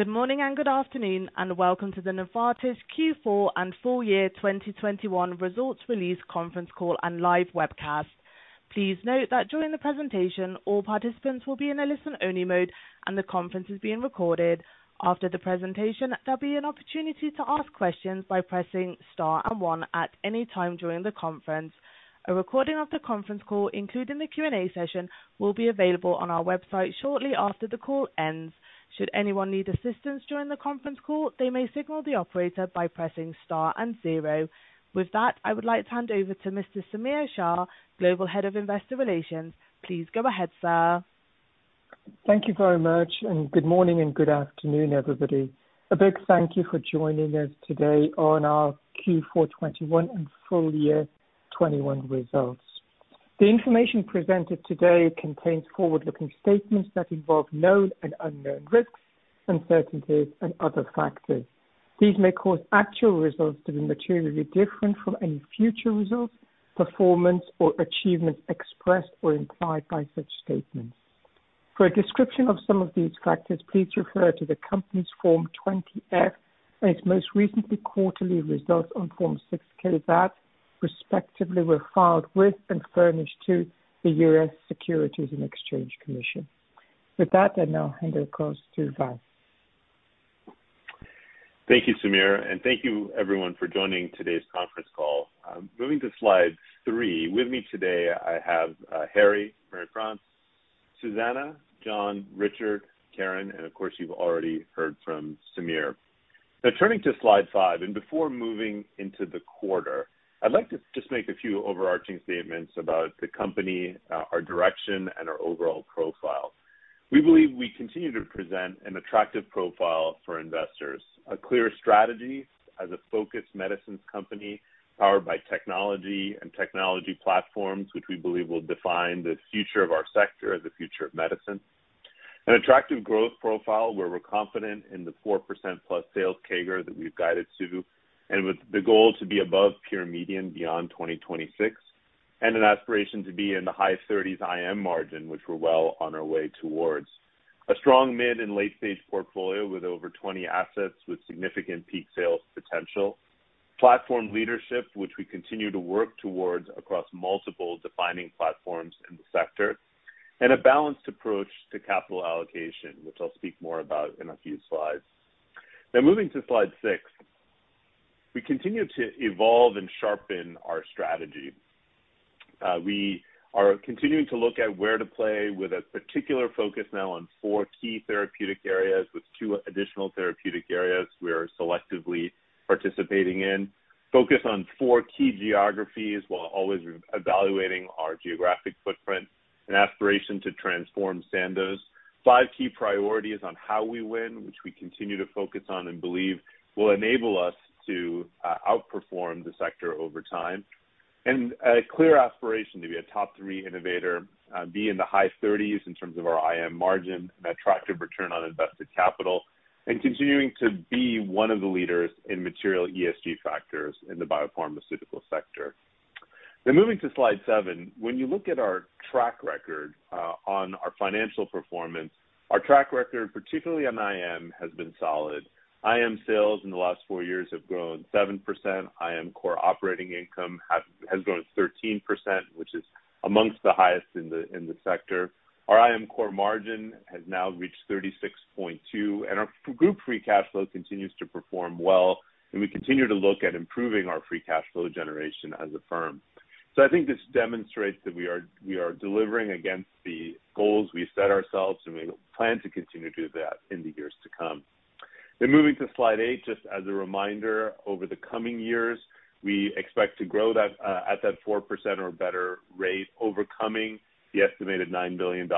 Good morning and good afternoon, and welcome to the Novartis Q4 and full year 2021 results release conference call and live webcast. Please note that during the presentation all participants will be in a listen-only mode and the conference is being recorded. After the presentation, there'll be an opportunity to ask questions by pressing star and one at any time during the conference. A recording of the conference call, including the Q&A session, will be available on our website shortly after the call ends. Should anyone need assistance during the conference call, they may signal the operator by pressing star and zero. With that, I would like to hand over to Mr. Samir Shah, Global Head of Investor Relations. Please go ahead, sir. Thank you very much and good morning and good afternoon, everybody. A big thank you for joining us today on our Q4 2021 and full year 2021 results. The information presented today contains forward-looking statements that involve known and unknown risks, uncertainties and other factors. These may cause actual results to be materially different from any future results, performance or achievements expressed or implied by such statements. For a description of some of these factors, please refer to the company's Form 20-F and its most recent quarterly results on Form 6-K that respectively were filed with and furnished to the U.S. Securities and Exchange Commission. With that, I now hand over the call to Vas. Thank you, Samir, and thank you everyone for joining today's conference call. Moving to slide three. With me today, I have Harry, Marie France, Susanne, John, Richard, Karen, and of course you've already heard from Samir. Now turning to slide five, and before moving into the quarter, I'd like to just make a few overarching statements about the company, our direction and our overall profile. We believe we continue to present an attractive profile for investors. A clear strategy as a focused medicines company powered by technology and technology platforms, which we believe will define the future of our sector and the future of medicine. An attractive growth profile where we're confident in the 4%+ sales CAGR that we've guided to, and with the goal to be above peer median beyond 2026, and an aspiration to be in the high 30s IM margin, which we're well on our way towards. A strong mid and late-stage portfolio with over 20 assets with significant peak sales potential. Platform leadership, which we continue to work towards across multiple defining platforms in the sector. A balanced approach to capital allocation, which I'll speak more about in a few slides. Now moving to slide six. We continue to evolve and sharpen our strategy. We are continuing to look at where to play with a particular focus now on four key therapeutic areas with two additional therapeutic areas we are selectively participating in. Focus on four key geographies while always evaluating our geographic footprint and aspiration to transform Sandoz. Five key priorities on how we win, which we continue to focus on and believe will enable us to outperform the sector over time. A clear aspiration to be a top three innovator, be in the high thirties in terms of our IM margin, an attractive return on invested capital and continuing to be one of the leaders in material ESG factors in the biopharmaceutical sector. Moving to slide seven. When you look at our track record on our financial performance, our track record, particularly on IM, has been solid. IM sales in the last four years have grown 7%. IM core operating income has grown 13%, which is among the highest in the sector. Our IM core margin has now reached 36.2% and our group free cash flow continues to perform well and we continue to look at improving our free cash flow generation as a firm. I think this demonstrates that we are delivering against the goals we set ourselves and we plan to continue to do that in the years to come. Moving to slide eight. Just as a reminder, over the coming years we expect to grow that at that 4% or better rate, overcoming the estimated $9 billion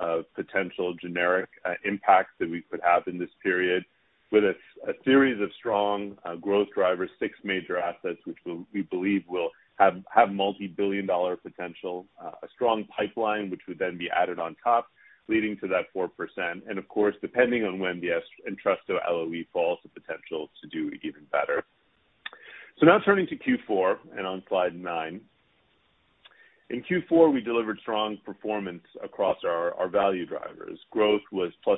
of potential generic impacts that we could have in this period with a series of strong growth drivers, six major assets which we believe will have multi-billion-dollar potential. A strong pipeline which would then be added on top leading to that 4%. Of course, depending on when the Entresto LOE falls, the potential to do even better. Now turning to Q4 and on slide nine. In Q4 we delivered strong performance across our value drivers. Growth was +6%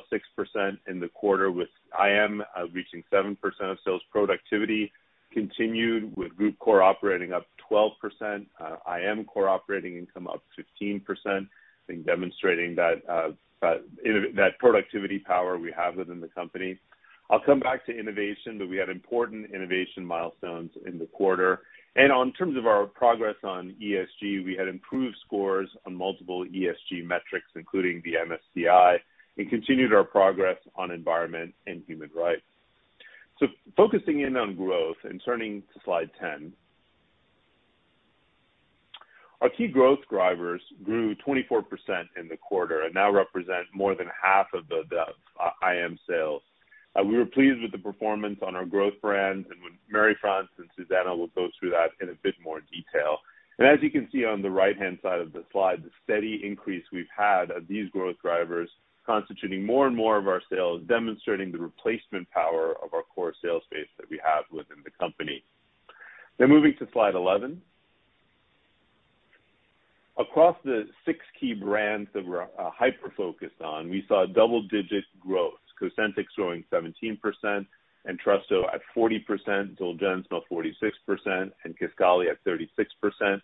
in the quarter with IM reaching 7% of sales. Productivity continued with group core operating up 12%. IM core operating income up 15%. I think demonstrating that productivity power we have within the company. I'll come back to innovation, but we had important innovation milestones in the quarter. In terms of our progress on ESG, we had improved scores on multiple ESG metrics, including the MSCI, and continued our progress on environment and human rights. Focusing in on growth and turning to slide 10. Our key growth drivers grew 24% in the quarter and now represent more than half of the IM sales. We were pleased with the performance on our growth brands and with Marie-France and Susanne will go through that in a bit more detail. As you can see on the right-hand side of the slide, the steady increase we've had of these growth drivers constituting more and more of our sales, demonstrating the replacement power of our core sales base that we have within the company. Now moving to slide 11. Across the six key brands that we're hyper-focused on, we saw double-digit growth. Cosentyx growing 17%, Entresto at 40%, Kesimpta is now 46%, and Kisqali at 36%.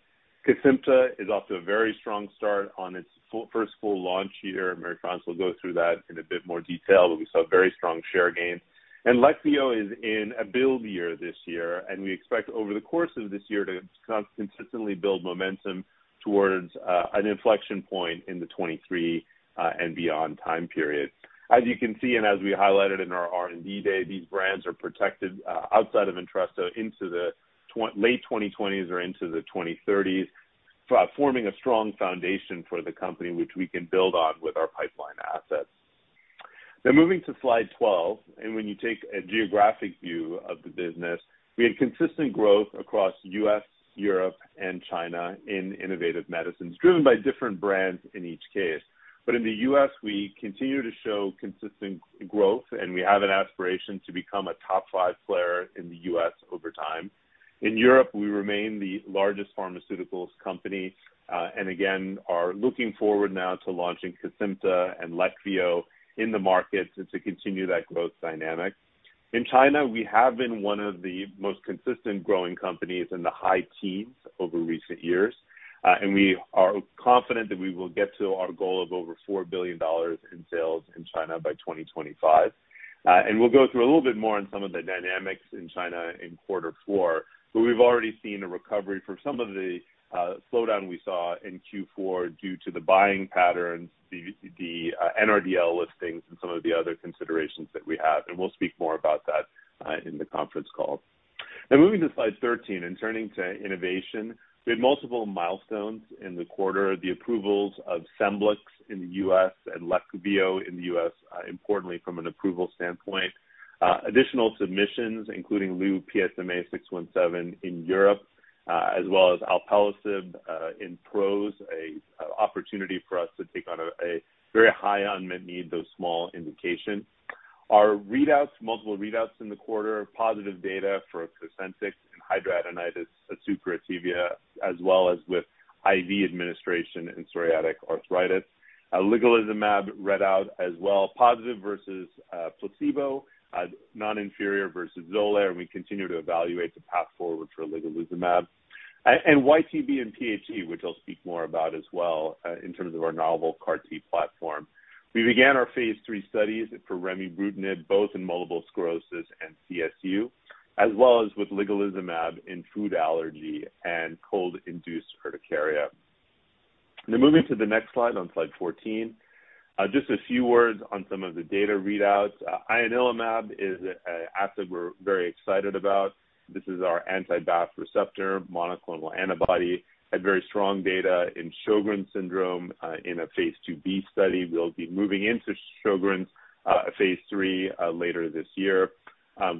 Kesimpta is off to a very strong start on its first full launch year. Marie-France will go through that in a bit more detail, but we saw very strong share gains. Leqvio is in a build year this year, and we expect over the course of this year to consistently build momentum towards an inflection point in 2023 and beyond time period. As you can see, as we highlighted in our R&D Day, these brands are protected outside of Entresto into the late 2020s or into the 2030s, forming a strong foundation for the company which we can build on with our pipeline assets. Moving to Slide 12, when you take a geographic view of the business, we had consistent growth across U.S., Europe, and China in innovative medicines driven by different brands in each case. In the US, we continue to show consistent growth, and we have an aspiration to become a top five player in the US over time. In Europe, we remain the largest pharmaceutical company, and again, are looking forward now to launching Kesimpta and Leqvio in the market and to continue that growth dynamic. In China, we have been one of the most consistent growing companies in the high teens over recent years, and we are confident that we will get to our goal of over $4 billion in sales in China by 2025. We'll go through a little bit more on some of the dynamics in China in quarter four, but we've already seen a recovery from some of the slowdown we saw in Q4 due to the buying patterns, the NRDL listings and some of the other considerations that we have. We'll speak more about that in the conference call. Now moving to slide 13 and turning to innovation. We had multiple milestones in the quarter, the approvals of Semglee in the U.S. and Leqvio in the U.S., importantly from an approval standpoint. Additional submissions, including Lu-PSMA-617 in Europe, as well as alpelisib in PROS, an opportunity for us to take on a very high unmet need, those small indication. Our readouts, multiple readouts in the quarter, positive data for Cosentyx and hidradenitis suppurativa, as well as with IV administration in psoriatic arthritis. Ligelizumab read out as well, positive versus placebo, non-inferior versus Xolair, and we continue to evaluate the path forward for ligelizumab. And YTB and PHE, which I'll speak more about as well, in terms of our novel CAR T platform. We began our phase III studies for remibrutinib, both in multiple sclerosis and CSU, as well as with ligelizumab in food allergy and cold-induced urticaria. Now moving to the next slide, on slide 14, just a few words on some of the data readouts. Ianalumab is an asset we're very excited about. This is our anti-BAFF receptor monoclonal antibody. Had very strong data in Sjögren's syndrome in a phase IIb study. We'll be moving into Sjögren's phase III later this year.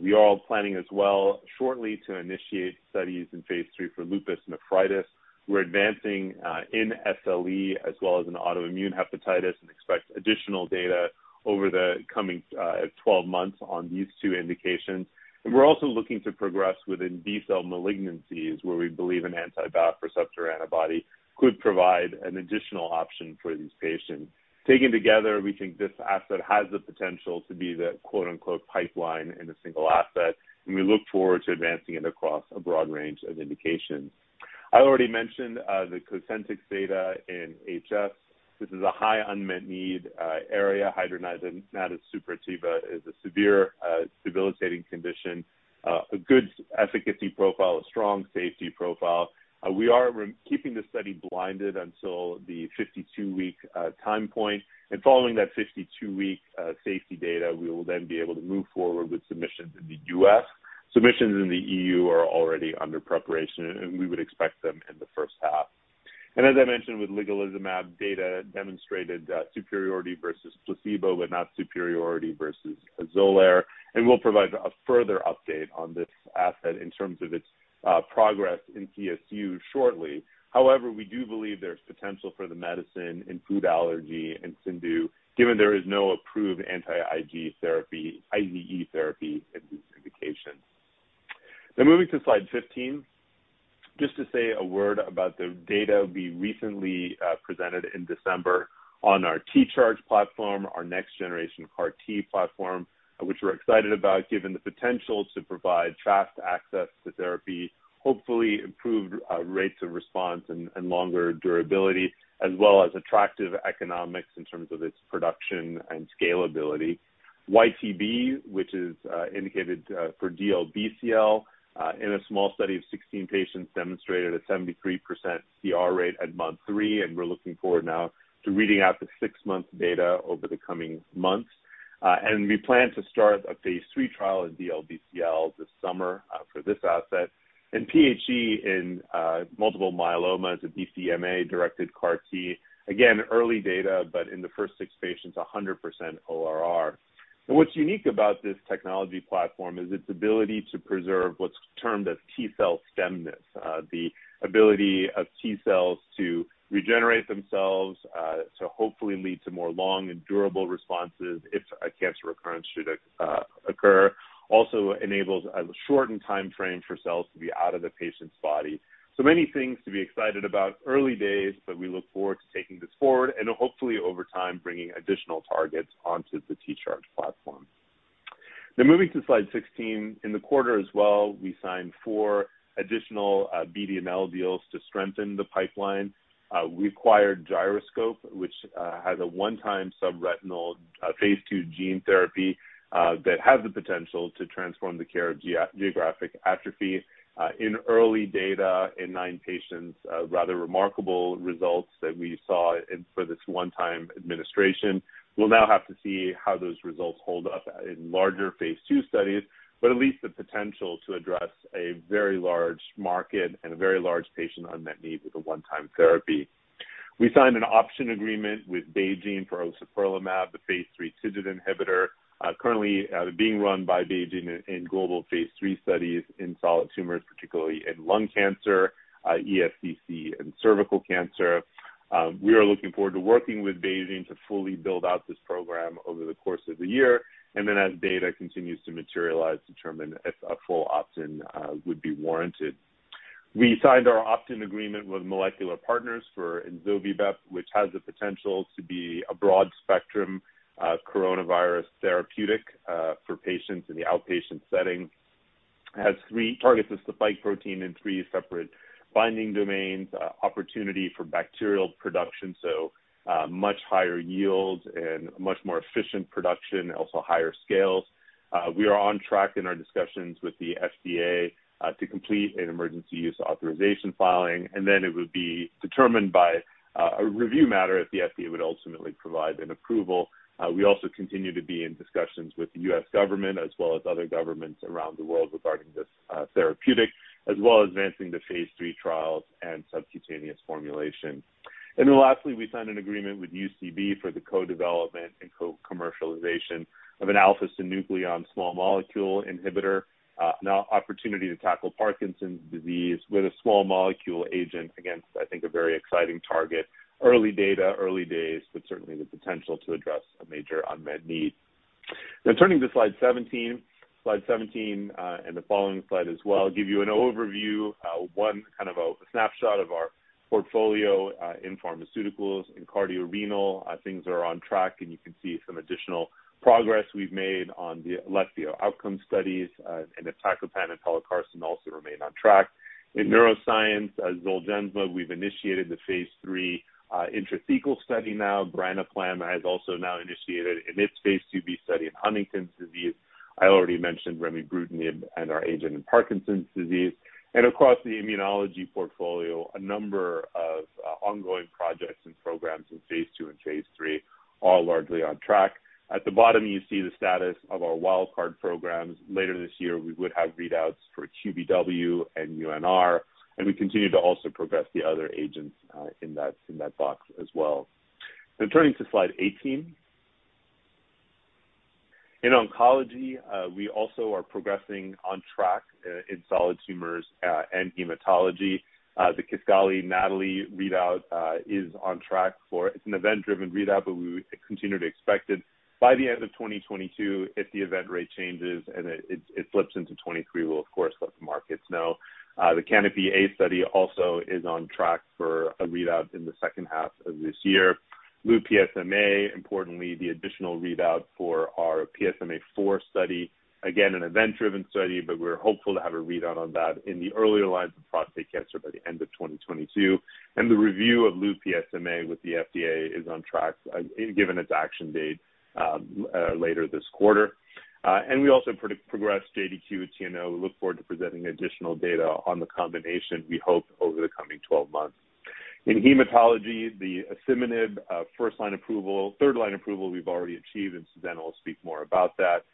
We are planning as well shortly to initiate studies in phase III for lupus nephritis. We're advancing in SLE as well as in autoimmune hepatitis and expect additional data over the coming 12 months on these two indications. We're also looking to progress within B cell malignancies, where we believe an anti-BAFF receptor antibody could provide an additional option for these patients. Taken together, we think this asset has the potential to be the quote-unquote pipeline in a single asset, and we look forward to advancing it across a broad range of indications. I already mentioned the Cosentyx data in HS. This is a high unmet need area. Hidradenitis suppurativa is a severe, debilitating condition, a good efficacy profile, a strong safety profile. We are keeping the study blinded until the 52-week time point. Following that 52-week safety data, we will then be able to move forward with submissions in the US. Submissions in the EU are already under preparation, and we would expect them in the first half. As I mentioned, with ligelizumab data demonstrated superiority versus placebo, but not superiority versus Xolair. We'll provide a further update on this asset in terms of its progress in CSU shortly. However, we do believe there's potential for the medicine in food allergy and CIndU, given there is no approved anti-IgE therapy, IgE therapy in these indications. Now moving to slide 15, just to say a word about the data we recently presented in December on our T-Charge platform, our next generation of CAR T platform, which we're excited about given the potential to provide fast access to therapy, hopefully improved rates of response and longer durability, as well as attractive economics in terms of its production and scalability. YTB323, which is indicated for DLBCL, in a small study of 16 patients, demonstrated a 73% CR rate at month three, and we're looking forward now to reading out the six-month data over the coming months. We plan to start a phase III trial in DLBCL this summer for this asset. PHE885 in multiple myeloma is a BCMA-directed CAR T. Again, early data, but in the first six patients, 100% ORR. What's unique about this technology platform is its ability to preserve what's termed as T-cell stemness, the ability of T cells to regenerate themselves, to hopefully lead to more long and durable responses if a cancer recurrence should occur, also enables a shortened timeframe for cells to be out of the patient's body. Many things to be excited about. Early days, but we look forward to taking this forward and hopefully, over time, bringing additional targets onto the T-Charge platform. Moving to slide 16. In the quarter as well, we signed four additional BD&L deals to strengthen the pipeline. We acquired Gyroscope, which has a one-time subretinal phase II gene therapy that has the potential to transform the care of geographic atrophy. In early data in nine patients, rather remarkable results that we saw for this one-time administration. We'll now have to see how those results hold up in larger phase II studies, but at least the potential to address a very large market and a very large patient unmet need with a one-time therapy. We signed an option agreement with BeiGene for ociperlimab, the phase III TIGIT inhibitor, currently being run by BeiGene in global phase III studies in solid tumors, particularly in lung cancer, ESCC, and cervical cancer. We are looking forward to working with BeiGene to fully build out this program over the course of the year, and then as data continues to materialize, determine if a full opt-in would be warranted. We signed our opt-in agreement with Molecular Partners for Ensovibep, which has the potential to be a broad spectrum coronavirus therapeutic for patients in the outpatient setting. It has three targets of spike protein in three separate binding domains, opportunity for bacterial production, so much higher yields and much more efficient production, also higher scales. We are on track in our discussions with the FDA to complete an emergency use authorization filing, and then it would be determined by a review matter if the FDA would ultimately provide an approval. We also continue to be in discussions with the U.S. government as well as other governments around the world regarding this therapeutic, as well as advancing the phase III trials and subcutaneous formulation. Lastly, we signed an agreement with UCB for the co-development and co-commercialization of an alpha-synuclein small molecule inhibitor, an opportunity to tackle Parkinson's disease with a small molecule agent against, I think, a very exciting target. Early data, early days, but certainly the potential to address a major unmet need. Now turning to slide 17. Slide 17 and the following slide as well give you an overview of one kind of a snapshot of our portfolio in pharmaceuticals, in cardiorenal. Things are on track, and you can see some additional progress we've made on the Electio outcome studies, and iptacopan and telocastine also remain on track. In neuroscience, Zolgensma, we've initiated the phase III intrathecal study now. Branaplam has also now initiated in its phase IIb study in Huntington's disease. I already mentioned remibrutinib and our agent in Parkinson's disease. Across the immunology portfolio, a number of ongoing projects and programs in phase II and phase III, all largely on track. At the bottom, you see the status of our wild card programs. Later this year, we would have readouts for QBW and UNR, and we continue to also progress the other agents in that box as well. Now turning to slide 18. In oncology, we also are progressing on track in solid tumors and hematology. The Kisqali/NATALEE readout is on track. It's an event-driven readout, but we continue to expect it by the end of 2022. If the event rate changes and it flips into 2023, we'll of course let the markets know. The CANOPY-A study also is on track for a readout in the second half of this year. Lu-PSMA, importantly, the additional readout for our PSMAfore study, again, an event-driven study, but we're hopeful to have a readout on that in the earlier lines of prostate cancer by the end of 2022. The review of Lu-PSMA with the FDA is on track, given its action date later this quarter. We also progressed JDQ-TNO. We look forward to presenting additional data on the combination, we hope, over the coming 12 months. In hematology, the asciminib first line approval, third line approval we've already achieved, and Susanne will speak more about that.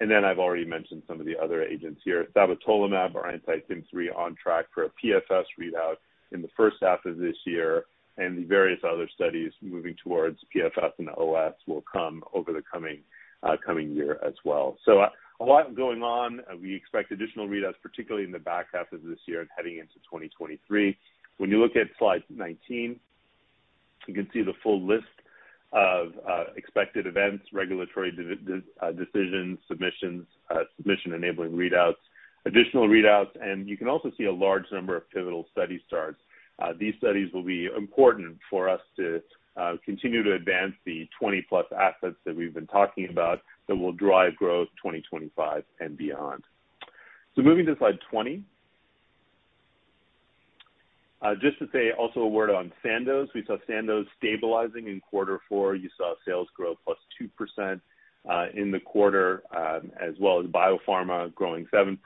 Then I've already mentioned some of the other agents here. Sabatolimab, our anti-TIM-3, on track for a PFS readout in the first half of this year, and the various other studies moving towards PFS and OS will come over the coming year as well. A lot going on. We expect additional readouts, particularly in the back half of this year and heading into 2023. When you look at slide 19, you can see the full list of expected events, regulatory decisions, submissions, submission-enabling readouts, additional readouts, and you can also see a large number of pivotal study starts. These studies will be important for us to continue to advance the 20+ assets that we've been talking about that will drive growth 2025 and beyond. Moving to slide 20. Just to say also a word on Sandoz. We saw Sandoz stabilizing in Q4. You saw sales grow +2% in the quarter, as well as biopharma growing 7%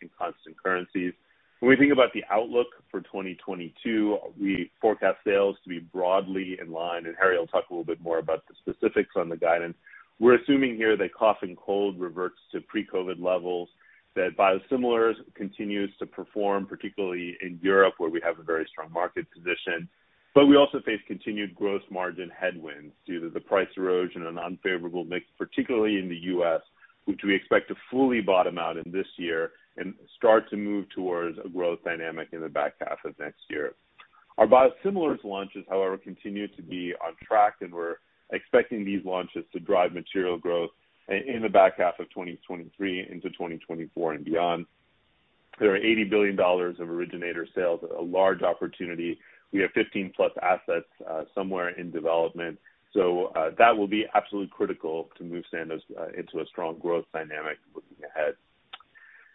in constant currencies. When we think about the outlook for 2022, we forecast sales to be broadly in line, and Harry will talk a little bit more about the specifics on the guidance. We're assuming here that cough and cold reverts to pre-COVID levels, that biosimilars continues to perform, particularly in Europe, where we have a very strong market position. We also face continued gross margin headwinds due to the price erosion and unfavorable mix, particularly in the U.S., which we expect to fully bottom out in this year and start to move towards a growth dynamic in the back half of next year. Our biosimilars launches, however, continue to be on track, and we're expecting these launches to drive material growth in the back half of 2023 into 2024 and beyond. There are $80 billion of originator sales, a large opportunity. We have 15+ assets somewhere in development. That will be absolutely critical to move Sandoz into a strong growth dynamic looking ahead.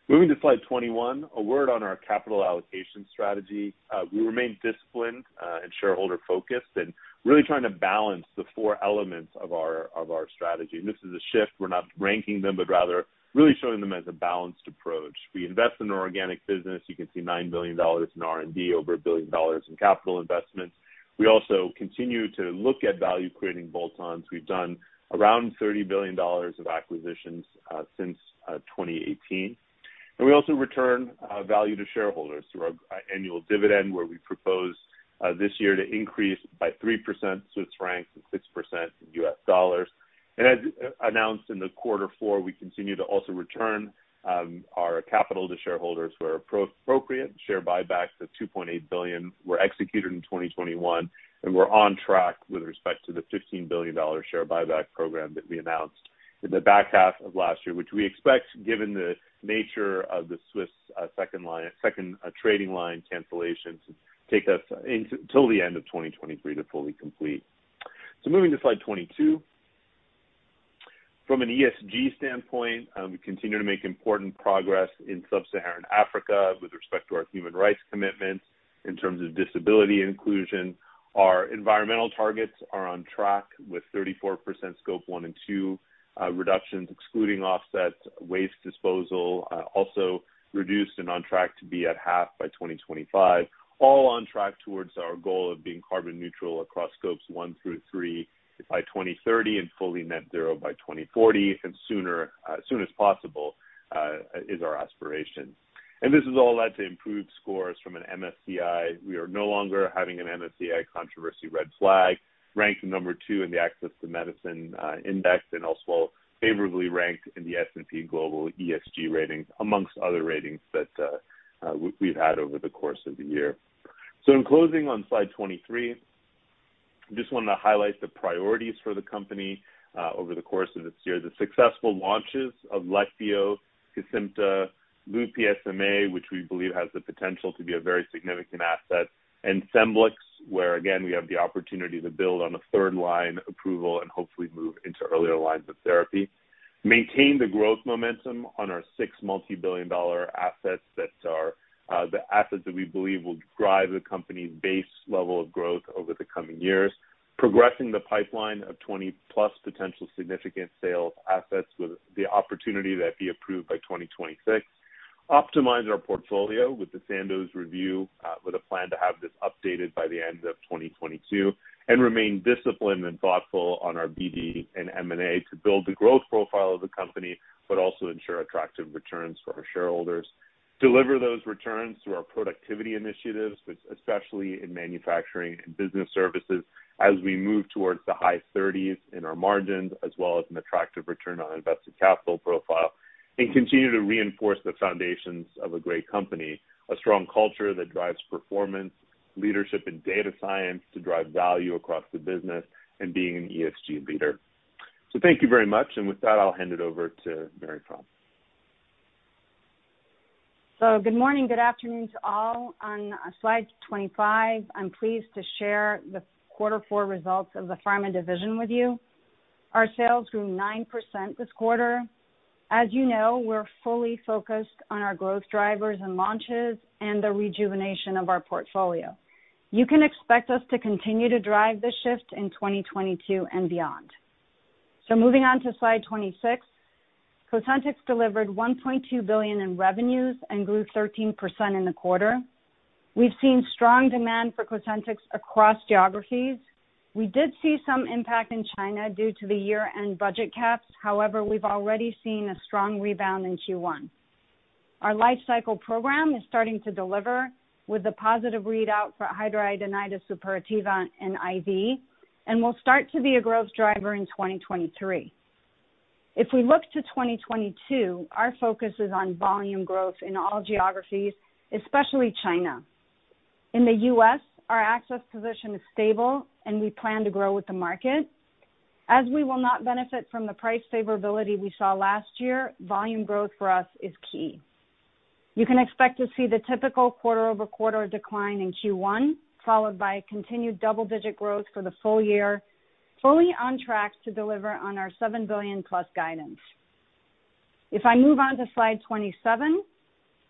Moving to slide 21, a word on our capital allocation strategy. We remain disciplined and shareholder-focused and really trying to balance the four elements of our strategy. This is a shift. We're not ranking them, but rather really showing them as a balanced approach. We invest in organic business. You can see $9 billion in R&D, over $1 billion in capital investments. We also continue to look at value-creating bolt-ons. We've done around $30 billion of acquisitions since 2018. We also return value to shareholders through our annual dividend, where we propose this year to increase by 3% Swiss francs and 6% in US dollars. As announced in quarter four, we continue to also return our capital to shareholders where appropriate. Share buybacks of $2.8 billion were executed in 2021, and we're on track with respect to the $15 billion share buyback program that we announced in the back half of last year, which we expect, given the nature of the Swiss second trading line cancellations, take us till the end of 2023 to fully complete. Moving to slide 22. From an ESG standpoint, we continue to make important progress in Sub-Saharan Africa with respect to our human rights commitments in terms of disability inclusion. Our environmental targets are on track with 34% Scope 1 and Scope 2 reductions, excluding offsets. Waste disposal also reduced and on track to be at half by 2025, all on track towards our goal of being carbon neutral across Scopes 1 through 3 by 2030 and fully net zero by 2040, and sooner, as soon as possible, is our aspiration. This has all led to improved scores from an MSCI. We are no longer having an MSCI controversy red flag. Ranked number two in the Access to Medicine Index and also favorably ranked in the S&P Global ESG ratings, among other ratings that we've had over the course of the year. In closing on slide 23, just wanted to highlight the priorities for the company over the course of this year. The successful launches of Leqvio, Kesimpta, Lu-PSMA-617, which we believe has the potential to be a very significant asset, and Scemblix, where again, we have the opportunity to build on a third-line approval and hopefully move into earlier lines of therapy. Maintain the growth momentum on our six multi-billion-dollar assets that are the assets that we believe will drive the company's base level of growth over the coming years. Progressing the pipeline of 20+ potential significant sales assets with the opportunity to have be approved by 2026. Optimize our portfolio with the Sandoz review with a plan to have this updated by the end of 2022. Remain disciplined and thoughtful on our BD and M&A to build the growth profile of the company, but also ensure attractive returns for our shareholders. Deliver those returns through our productivity initiatives, which especially in manufacturing and business services as we move towards the high 30s% in our margins, as well as an attractive return on invested capital profile. Continue to reinforce the foundations of a great company, a strong culture that drives performance, leadership and data science to drive value across the business and being an ESG leader. Thank you very much. With that, I'll hand it over to Marie-France Tschudin. Good morning, good afternoon to all. On slide 25, I'm pleased to share the quarter four results of the pharma division with you. Our sales grew 9% this quarter. As you know, we're fully focused on our growth drivers and launches and the rejuvenation of our portfolio. You can expect us to continue to drive this shift in 2022 and beyond. Moving on to slide 26. Cosentyx delivered $1.2 billion in revenues and grew 13% in the quarter. We've seen strong demand for Cosentyx across geographies. We did see some impact in China due to the year-end budget caps. However, we've already seen a strong rebound in Q1. Our lifecycle program is starting to deliver with a positive readout for hidradenitis suppurativa in IV and will start to be a growth driver in 2023. If we look to 2022, our focus is on volume growth in all geographies, especially China. In the U.S., our access position is stable, and we plan to grow with the market. As we will not benefit from the price favorability we saw last year, volume growth for us is key. You can expect to see the typical quarter-over-quarter decline in Q1, followed by continued double-digit growth for the full year, fully on track to deliver on our $7 billion-plus guidance. If I move on to slide 27,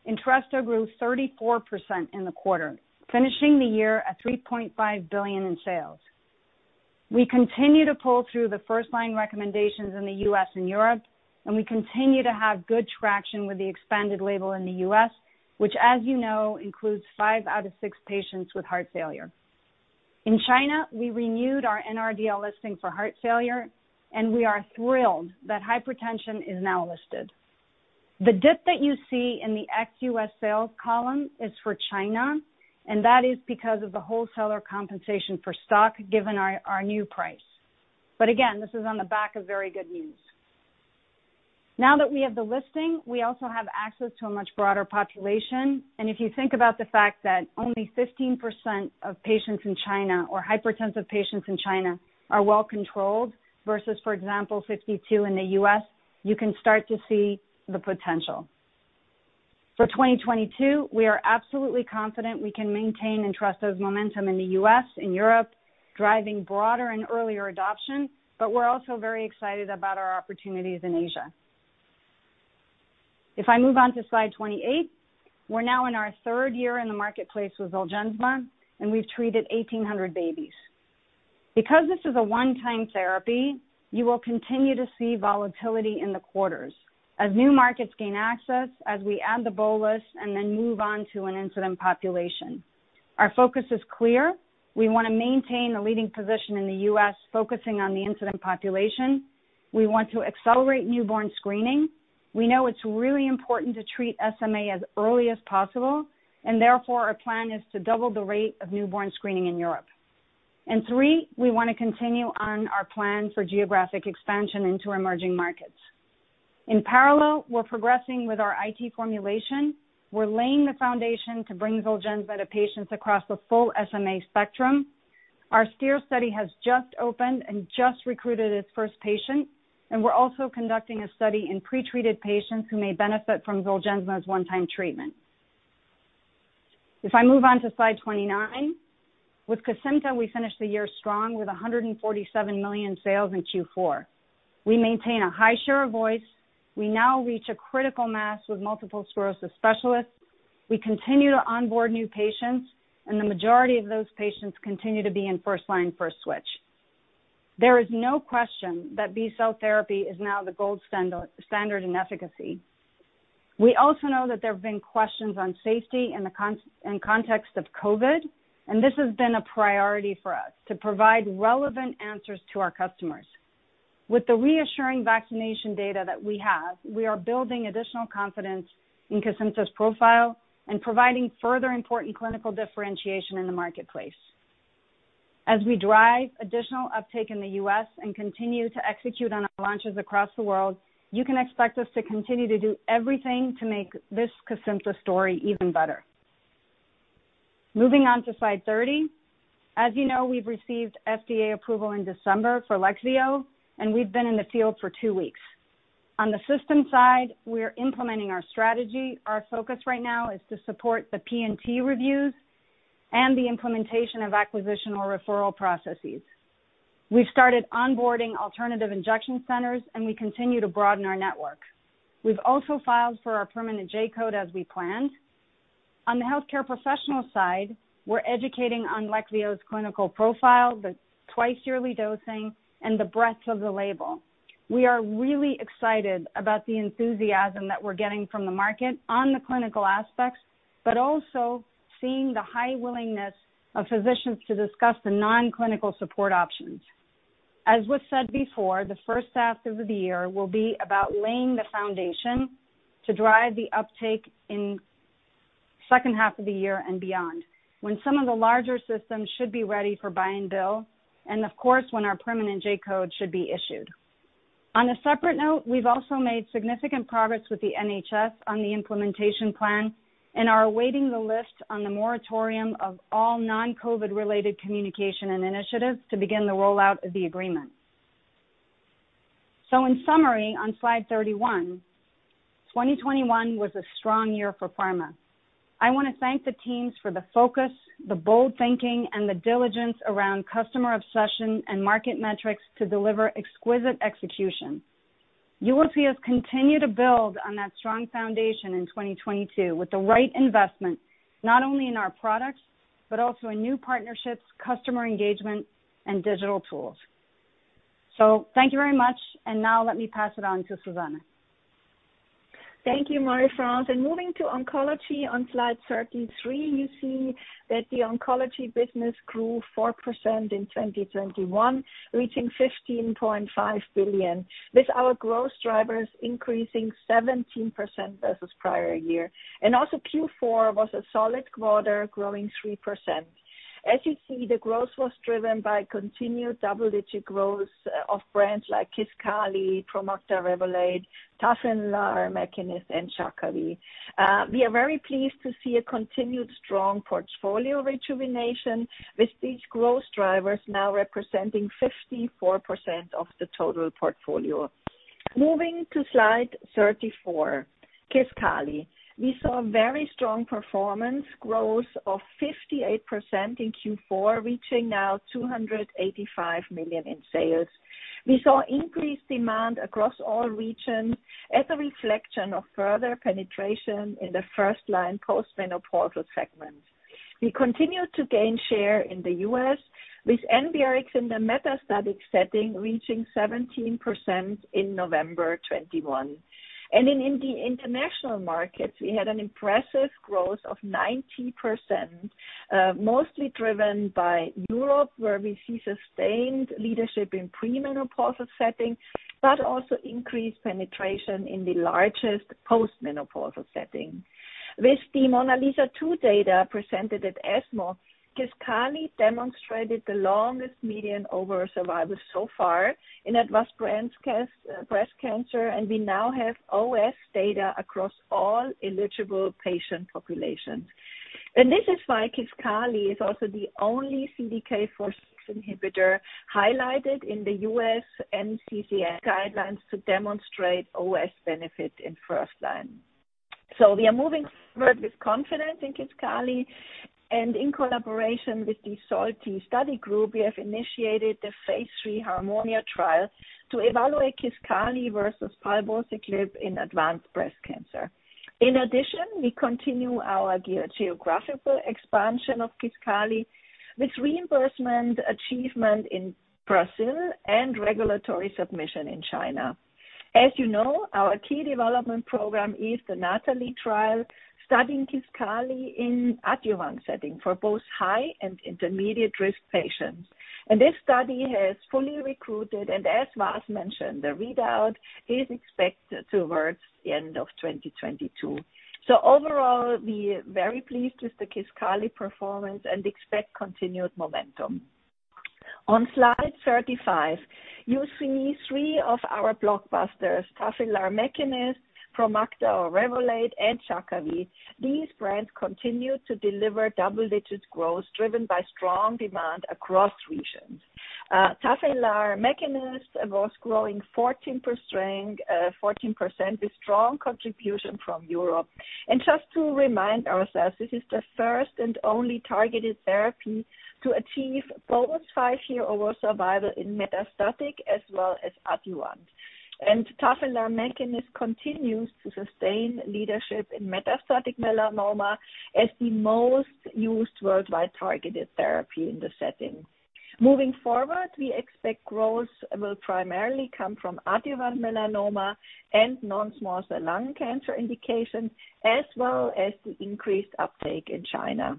Entresto grew 34% in the quarter, finishing the year at $3.5 billion in sales. We continue to pull through the first line recommendations in the U.S. and Europe, and we continue to have good traction with the expanded label in the U.S., which as you know, includes five out of six patients with heart failure. In China, we renewed our NRDL listing for heart failure, and we are thrilled that hypertension is now listed. The dip that you see in the ex-U.S. sales column is for China, and that is because of the wholesaler compensation for stock given our new price. This is on the back of very good news. Now that we have the listing, we also have access to a much broader population. If you think about the fact that only 15% of patients in China or hypertensive patients in China are well controlled versus, for example, 52% in the U.S., you can start to see the potential. For 2022, we are absolutely confident we can maintain Entresto's momentum in the U.S., in Europe, driving broader and earlier adoption, but we're also very excited about our opportunities in Asia. If I move on to slide 28, we're now in our third year in the marketplace with Zolgensma, and we've treated 1,800 babies. Because this is a one-time therapy, you will continue to see volatility in the quarters as new markets gain access, as we add the bolus and then move on to an incident population. Our focus is clear. We wanna maintain a leading position in the U.S., focusing on the incident population. We want to accelerate newborn screening. We know it's really important to treat SMA as early as possible, and therefore, our plan is to double the rate of newborn screening in Europe. Three, we wanna continue on our plan for geographic expansion into emerging markets. In parallel, we're progressing with our intrathecal formulation. We're laying the foundation to bring Zolgensma to patients across the full SMA spectrum. Our STEER study has just opened and just recruited its first patient, and we're also conducting a study in pretreated patients who may benefit from Zolgensma's one-time treatment. If I move on to slide 29. With Kesimpta, we finished the year strong with $147 million sales in Q4. We maintain a high share of voice. We now reach a critical mass with multiple sclerosis specialists. We continue to onboard new patients, and the majority of those patients continue to be in first line, first switch. There is no question that B cell therapy is now the gold standard in efficacy. We also know that there have been questions on safety in the context of COVID, and this has been a priority for us to provide relevant answers to our customers. With the reassuring vaccination data that we have, we are building additional confidence in Kesimpta's profile and providing further important clinical differentiation in the marketplace. As we drive additional uptake in the U.S. and continue to execute on our launches across the world, you can expect us to continue to do everything to make this Kesimpta story even better. Moving on to slide 30. As you know, we've received FDA approval in December for Leqvio, and we've been in the field for two weeks. On the system side, we are implementing our strategy. Our focus right now is to support the P&T reviews and the implementation of acquisitional referral processes. We've started onboarding alternative injection centers, and we continue to broaden our network. We've also filed for our permanent J-code as we planned. On the healthcare professional side, we're educating on Leqvio's clinical profile, the twice-yearly dosing, and the breadth of the label. We are really excited about the enthusiasm that we're getting from the market on the clinical aspects, but also seeing the high willingness of physicians to discuss the non-clinical support options. As was said before, the first half of the year will be about laying the foundation to drive the uptake in second half of the year and beyond, when some of the larger systems should be ready for buy and bill, and of course, when our permanent J-code should be issued. On a separate note, we've also made significant progress with the NHS on the implementation plan and are awaiting the lift on the moratorium of all non-COVID related communication and initiatives to begin the rollout of the agreement. In summary, on slide 31, 2021 was a strong year for pharma. I wanna thank the teams for the focus, the bold thinking, and the diligence around customer obsession and market metrics to deliver exquisite execution. You will see us continue to build on that strong foundation in 2022 with the right investment, not only in our products, but also in new partnerships, customer engagement, and digital tools. Thank you very much, and now let me pass it on to Susanne. Thank you, Marie-France. Moving to oncology on slide 33, you see that the oncology business grew 4% in 2021, reaching $15.5 billion, with our growth drivers increasing 17% versus prior year. Q4 was a solid quarter, growing 3%. As you see, the growth was driven by continued double-digit growth of brands like Kisqali, Promacta, Revolade, Tafinlar, Mekinist, and Jakavi. We are very pleased to see a continued strong portfolio rejuvenation, with these growth drivers now representing 54% of the total portfolio. Moving to slide 34, Kisqali. We saw very strong performance growth of 58% in Q4, reaching now $285 million in sales. We saw increased demand across all regions as a reflection of further penetration in the first-line postmenopausal segment. We continued to gain share in the U.S. With Ibrance in the metastatic setting reaching 17% in November 2021. In the international markets, we had an impressive growth of 90%, mostly driven by Europe, where we see sustained leadership in premenopausal setting, but also increased penetration in the largest postmenopausal setting. With the MONALEESA-2 data presented at ESMO, Kisqali demonstrated the longest median overall survival so far in advanced breast cancer, and we now have OS data across all eligible patient populations. This is why Kisqali is also the only CDK4/6 inhibitor highlighted in the U.S. NCCN guidelines to demonstrate OS benefit in first line. We are moving forward with confidence in Kisqali and in collaboration with the SOLTI study group, we have initiated the phase III HARMONIA trial to evaluate Kisqali versus palbociclib in advanced breast cancer. In addition, we continue our geographical expansion of Kisqali with reimbursement achievement in Brazil and regulatory submission in China. As you know, our key development program is the NATALEE trial studying Kisqali in adjuvant setting for both high and intermediate risk patients. This study has fully recruited, and as Vas mentioned, the readout is expected towards the end of 2022. Overall, we are very pleased with the Kisqali performance and expect continued momentum. On slide 35, you see three of our blockbusters, Tafinlar + Mekinist, Promacta or Revolade, and Jakavi. These brands continue to deliver double-digit growth driven by strong demand across regions. Tafinlar + Mekinist was growing 14%, 14% with strong contribution from Europe. Just to remind ourselves, this is the first and only targeted therapy to achieve both five-year overall survival in metastatic as well as adjuvant. Tafinlar + Mekinist continues to sustain leadership in metastatic melanoma as the most used worldwide targeted therapy in the setting. Moving forward, we expect growth will primarily come from adjuvant melanoma and non-small cell lung cancer indication, as well as the increased uptake in China.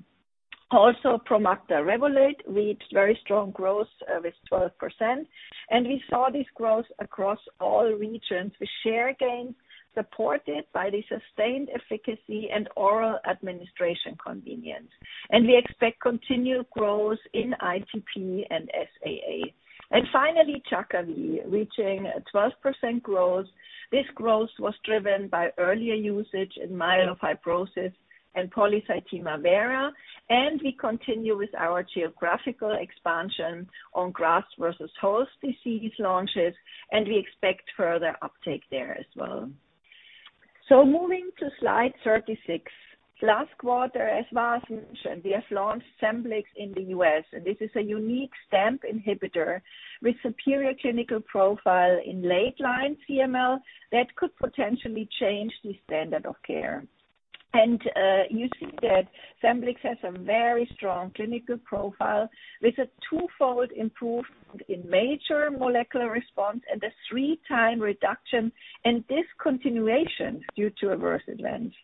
Also, Promacta/Revolade reached very strong growth with 12%, and we saw this growth across all regions with share gains supported by the sustained efficacy and oral administration convenience. We expect continued growth in ITP and SAA. Finally, Jakavi reaching a 12% growth. This growth was driven by earlier usage in myelofibrosis and polycythemia vera, and we continue with our geographical expansion on graft-versus-host disease launches, and we expect further uptake there as well. Moving to slide 36. Last quarter, as Vas mentioned, we have launched Scemblix in the U.S., and this is a unique STAMP inhibitor with superior clinical profile in late-line CML that could potentially change the standard of care. You see that Scemblix has a very strong clinical profile with a twofold improvement in major molecular response and a three times reduction in discontinuation due to adverse events.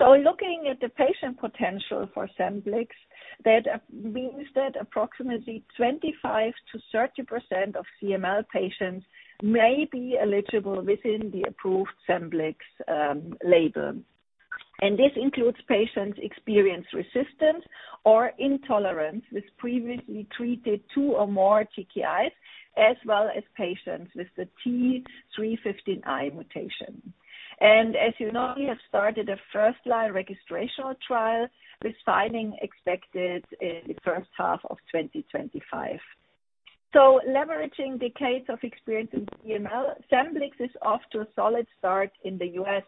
Looking at the patient potential for Scemblix, that means that approximately 25%-30% of CML patients may be eligible within the approved Scemblix label. This includes patients experience resistance or intolerance with previously treated two or more TKIs, as well as patients with the T315I mutation. As you know, we have started a first-line registrational trial with filing expected in the first half of 2025. Leveraging decades of experience in CML, Scemblix is off to a solid start in the U.S.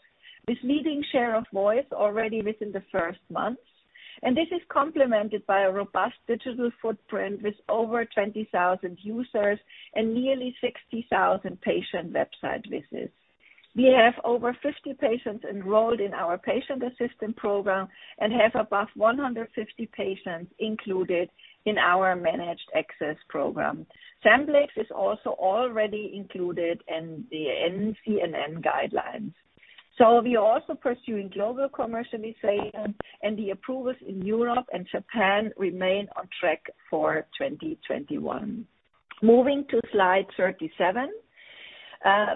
with leading share of voice already within the first months. This is complemented by a robust digital footprint with over 20,000 users and nearly 60,000 patient website visits. We have over 50 patients enrolled in our patient assistant program and have above 150 patients included in our managed access program. Scemblix is also already included in the NCCN guidelines. We are also pursuing global commercialization and the approvals in Europe and Japan remain on track for 2021. Moving to slide 37.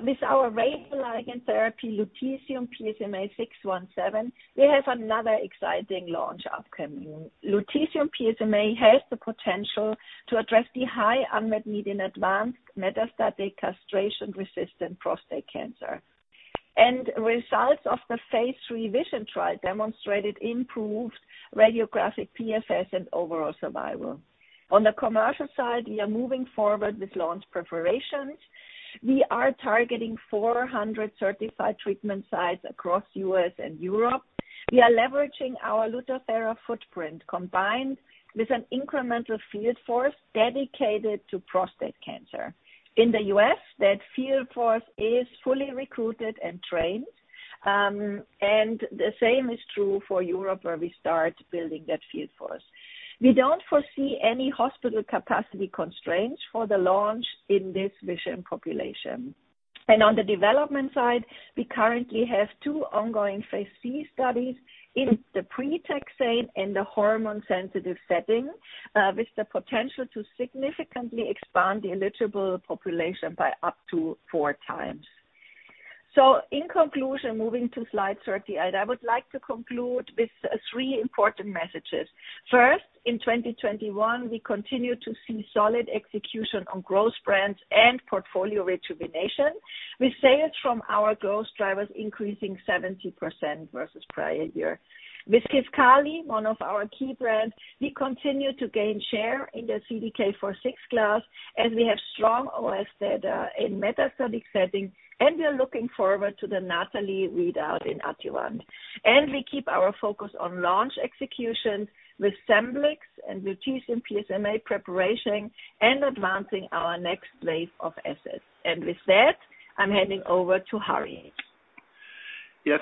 With our radioligand therapy, lutetium PSMA-617, we have another exciting launch upcoming. Lutetium PSMA-617 has the potential to address the high unmet need in advanced metastatic castration-resistant prostate cancer. Results of the phase III VISION trial demonstrated improved radiographic PFS and overall survival. On the commercial side, we are moving forward with launch preparations. We are targeting 400 certified treatment sites across U.S. and Europe. We are leveraging our Lutathera footprint combined with an incremental field force dedicated to prostate cancer. In the U.S., that field force is fully recruited and trained. The same is true for Europe, where we start building that field force. We don't foresee any hospital capacity constraints for the launch in this VISION population. On the development side, we currently have two ongoing phase III studies in the pre-taxane and the hormone sensitive setting, with the potential to significantly expand the eligible population by up to four times. In conclusion, moving to slide 38, I would like to conclude with three important messages. First, in 2021, we continue to see solid execution on growth brands and portfolio rejuvenation, with sales from our growth drivers increasing 70% versus prior year. With Kisqali, one of our key brands, we continue to gain share in the CDK 4/6 class, and we have strong OS data in metastatic settings, and we are looking forward to the NATALEE readout in adjuvant. We keep our focus on launch execution with Scemblix and with T-Charge and PSMA preparation and advancing our next wave of assets. With that, I'm handing over to Harry.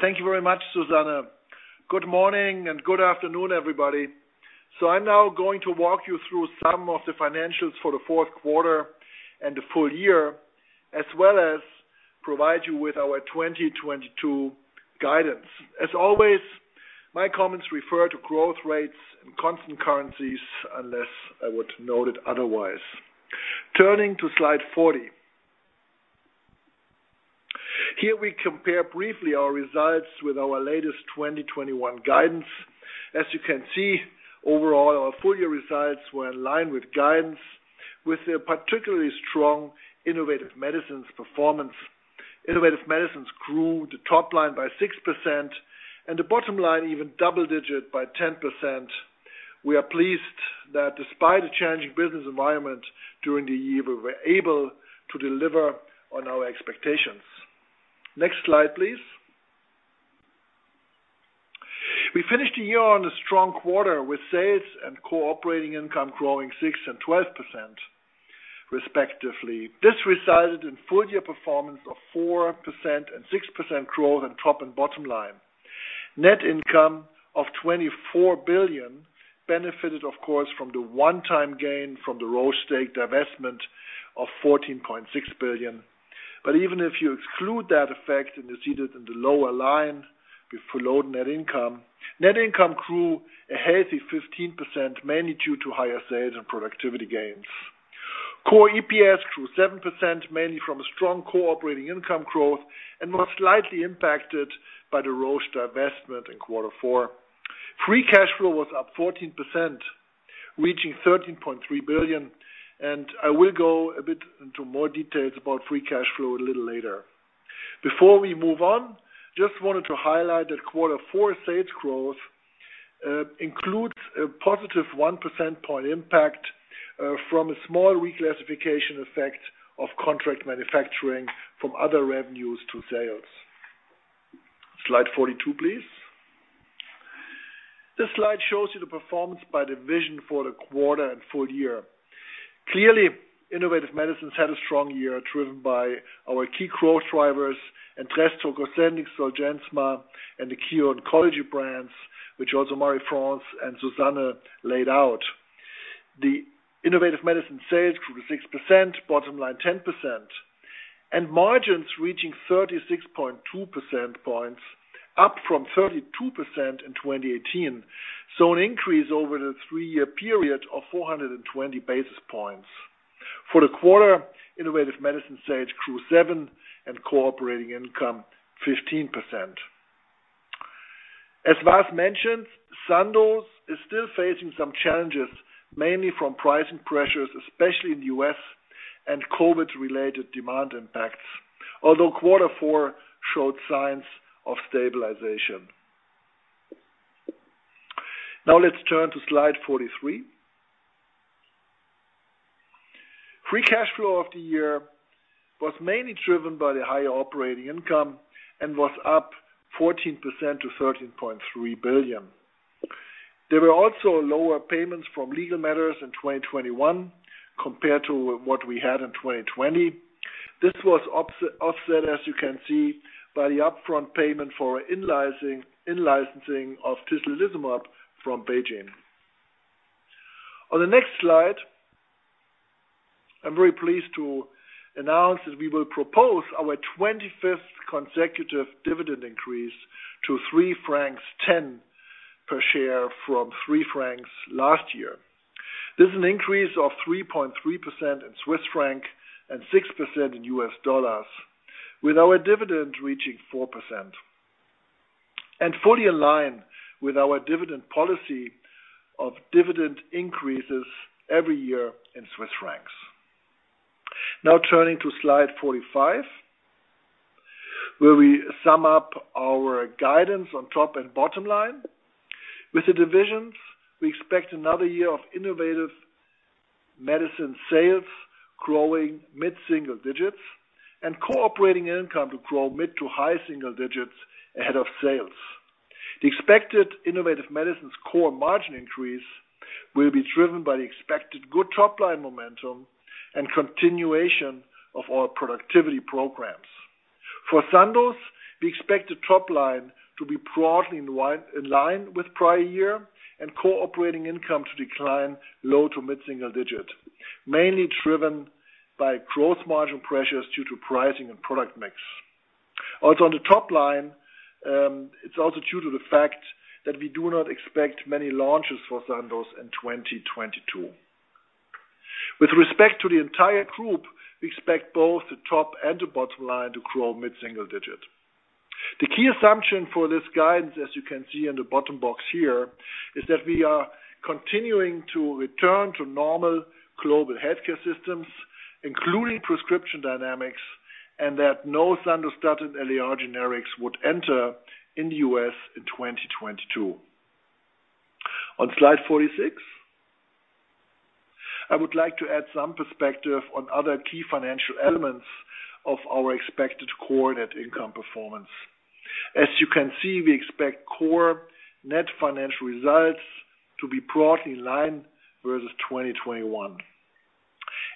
Thank you very much, Susanne. Good morning and good afternoon, everybody. I'm now going to walk you through some of the financials for the fourth quarter and the full year, as well as provide you with our 2022 guidance. As always, my comments refer to growth rates and constant currencies, unless I were to note it otherwise. Turning to slide 40. Here we compare briefly our results with our latest 2021 guidance. As you can see, overall our full year results were in line with guidance, with a particularly strong Innovative Medicines performance. Innovative Medicines grew the top line by 6% and the bottom line even double digit by 10%. We are pleased that despite a challenging business environment during the year, we were able to deliver on our expectations. Next slide, please. We finished the year on a strong quarter with sales and core operating income growing 6% and 12% respectively. This resulted in full-year performance of 4% and 6% growth in top and bottom line. Net income of $24 billion benefited of course from the one-time gain from the Roche stake divestment of $14.6 billion. Even if you exclude that effect, and you see that in the release, underlying net income grew a healthy 15%, mainly due to higher sales and productivity gains. Core EPS grew 7% mainly from a strong core operating income growth and was slightly impacted by the Roche divestment in quarter four. Free cash flow was up 14%, reaching $13.3 billion. I will go a bit into more details about free cash flow a little later. Before we move on, just wanted to highlight that quarter four sales growth includes a positive 1 percentage point impact from a small reclassification effect of contract manufacturing from other revenues to sales. Slide 42, please. This slide shows you the performance by division for the quarter and full year. Clearly, Innovative Medicines had a strong year driven by our key growth drivers, Entresto, Cosentyx, Zolgensma and the key oncology brands which also Marie-France and Susanne laid out. The Innovative Medicines sales grew 6%, bottom line 10%, and margins reaching 36.2% 4 percentage points up from 32% in 2018. An increase over the three-year period of 420 basis points. For the quarter, Innovative Medicines sales grew 7% and core operating income 15%. As Vas mentioned, Sandoz is still facing some challenges, mainly from pricing pressures, especially in the U.S. and COVID-related demand impacts, although quarter four showed signs of stabilization. Now let's turn to slide 43. Free cash flow of the year was mainly driven by the higher operating income and was up 14% to 13.3 billion. There were also lower payments from legal matters in 2021 compared to what we had in 2020. This was offset, as you can see, by the upfront payment for in-licensing of Tislelizumab from BeiGene. On the next slide, I'm very pleased to announce that we will propose our 25th consecutive dividend increase to 3.10 francs per share from 3 francs last year. This is an increase of 3.3% in Swiss francs and 6% in U.S. dollars. With our dividend reaching 4% and fully aligned with our dividend policy of dividend increases every year in Swiss francs. Now turning to slide 45, where we sum up our guidance on top and bottom line. With the divisions, we expect another year of Innovative Medicines sales growing mid-single-digit % and core operating income to grow mid- to high-single-digit % ahead of sales. The expected Innovative Medicines core margin increase will be driven by the expected good top line momentum and continuation of our productivity programs. For Sandoz, we expect the top line to be broadly in line with prior year and core operating income to decline low- to mid-single-digit %, mainly driven by gross margin pressures due to pricing and product mix. Also on the top line, it's also due to the fact that we do not expect many launches for Sandoz in 2022. With respect to the entire group, we expect both the top and the bottom line to grow mid-single digit. The key assumption for this guidance, as you can see in the bottom box here, is that we are continuing to return to normal global healthcare systems, including prescription dynamics, and that no Sandoz or Entresto LOE generics would enter in the U.S. in 2022. On slide 46, I would like to add some perspective on other key financial elements of our expected core net income performance. As you can see, we expect core net financial results to be broadly in line versus 2021.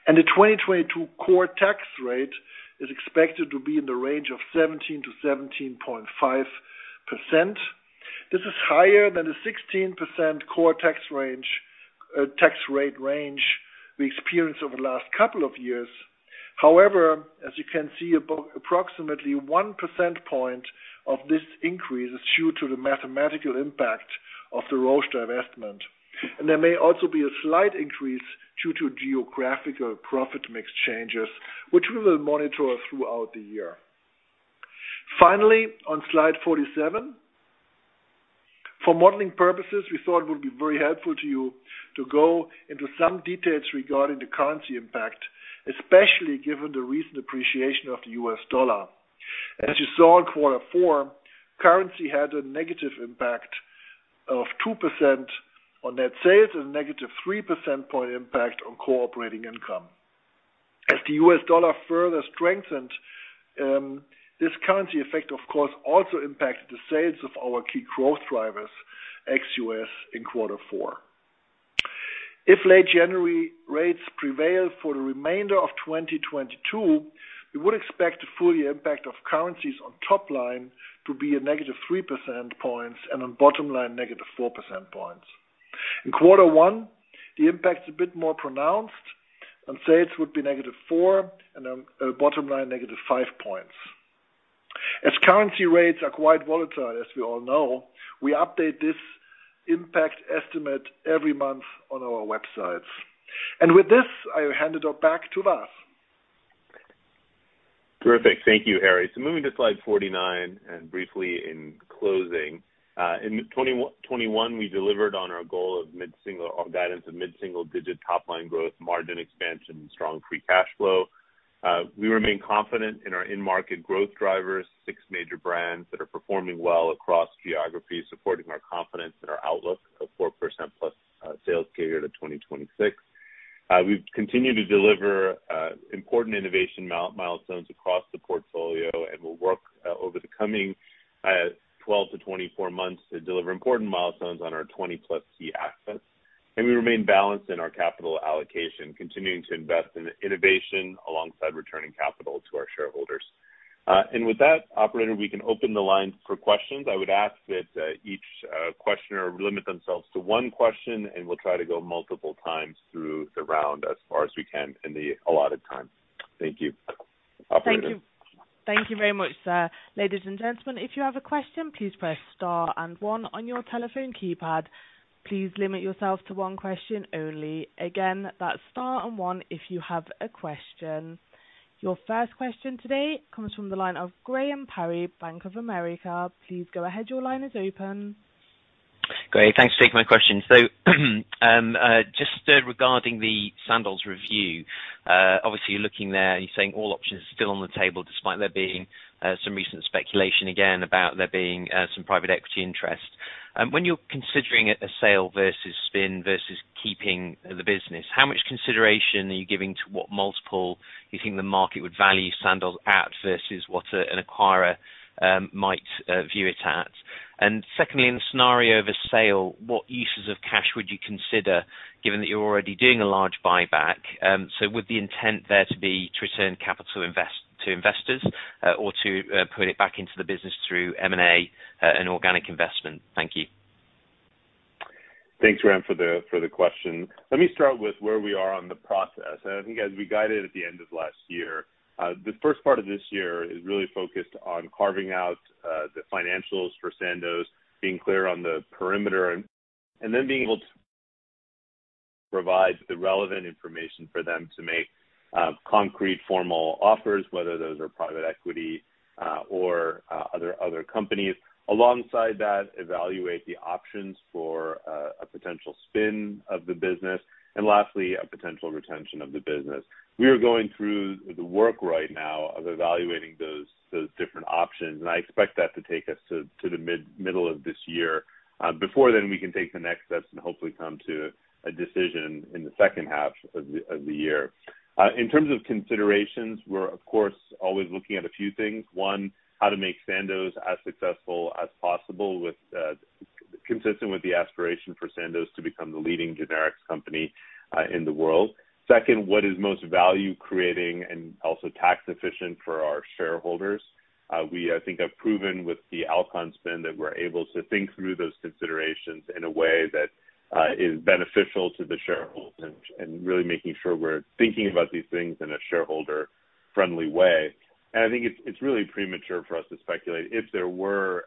The 2022 core tax rate is expected to be in the range of 17%-17.5%. This is higher than the 16% core tax rate range we experienced over the last couple of years. However, as you can see, about approximately 1 percentage point of this increase is due to the mathematical impact of the Roche divestment. There may also be a slight increase due to geographical profit mix changes, which we will monitor throughout the year. Finally, on slide 47, for modeling purposes, we thought it would be very helpful to you to go into some details regarding the currency impact, especially given the recent appreciation of the U.S. dollar. As you saw in quarter four, currency had a negative impact of 2% on net sales and negative 3 percentage point impact on core operating income. As the U.S. dollar further strengthened, this currency effect, of course, also impacted the sales of our key growth drivers, ex-US in quarter four. If late January rates prevail for the remainder of 2022, we would expect the full-year impact of currencies on top line to be a negative 3 percentage points and on bottom line, negative 4 percentage points. In quarter one, the impact is a bit more pronounced, and sales would be negative 4 percentage points and then bottom line, negative 5 percentage points. As currency rates are quite volatile, as we all know, we update this impact estimate every month on our websites. With this, I hand it back to Vas. Terrific. Thank you, Harry. Moving to slide 49 and briefly in closing. In 2021 we delivered on our goal of mid-single on guidance of mid-single digit top line growth, margin expansion, strong free cash flow. We remain confident in our in-market growth drivers, six major brands that are performing well across geographies, supporting our confidence in our outlook of 4%+, sales carry into 2026. We've continued to deliver important innovation milestones across the portfolio, and we'll work over the coming 12 to 24 months to deliver important milestones on our 20+ key assets. We remain balanced in our capital allocation, continuing to invest in innovation alongside returning capital to our shareholders. With that, operator, we can open the lines for questions. I would ask that each questioner limit themselves to one question, and we'll try to go multiple times through the round as far as we can in the allotted time. Thank you. Operator. Thank you. Thank you very much, sir. Ladies and gentlemen, if you have a question, please press star and one on your telephone keypad. Please limit yourself to one question only. Again, that's star and one if you have a question. Your first question today comes from the line of Graham Parry, Bank of America. Please go ahead. Your line is open. Great. Thanks for taking my question. Just regarding the Sandoz review, obviously, you're looking there and you're saying all options are still on the table despite there being some recent speculation again about there being some private equity interest. When you're considering a sale versus spin versus keeping the business, how much consideration are you giving to what multiple you think the market would value Sandoz at versus what an acquirer might view it at? And secondly, in the scenario of a sale, what uses of cash would you consider given that you're already doing a large buyback? Would the intent there to be to return capital to investors, or to put it back into the business through M&A and organic investment? Thank you. Thanks, Graham, for the question. Let me start with where we are on the process. I think as we guided at the end of last year, the first part of this year is really focused on carving out the financials for Sandoz, being clear on the perimeter and then being able to provide the relevant information for them to make concrete formal offers, whether those are private equity or other companies. Alongside that, evaluate the options for a potential spin of the business. Lastly, a potential retention of the business. We are going through the work right now of evaluating those different options, and I expect that to take us to the middle of this year. Before then we can take the next steps and hopefully come to a decision in the second half of the year. In terms of considerations, we're of course always looking at a few things. One, how to make Sandoz as successful as possible consistent with the aspiration for Sandoz to become the leading generics company in the world. Second, what is most value creating and also tax efficient for our shareholders? We, I think, have proven with the Alcon spin that we're able to think through those considerations in a way that is beneficial to the shareholders and really making sure we're thinking about these things in a shareholder-friendly way. I think it's really premature for us to speculate if there were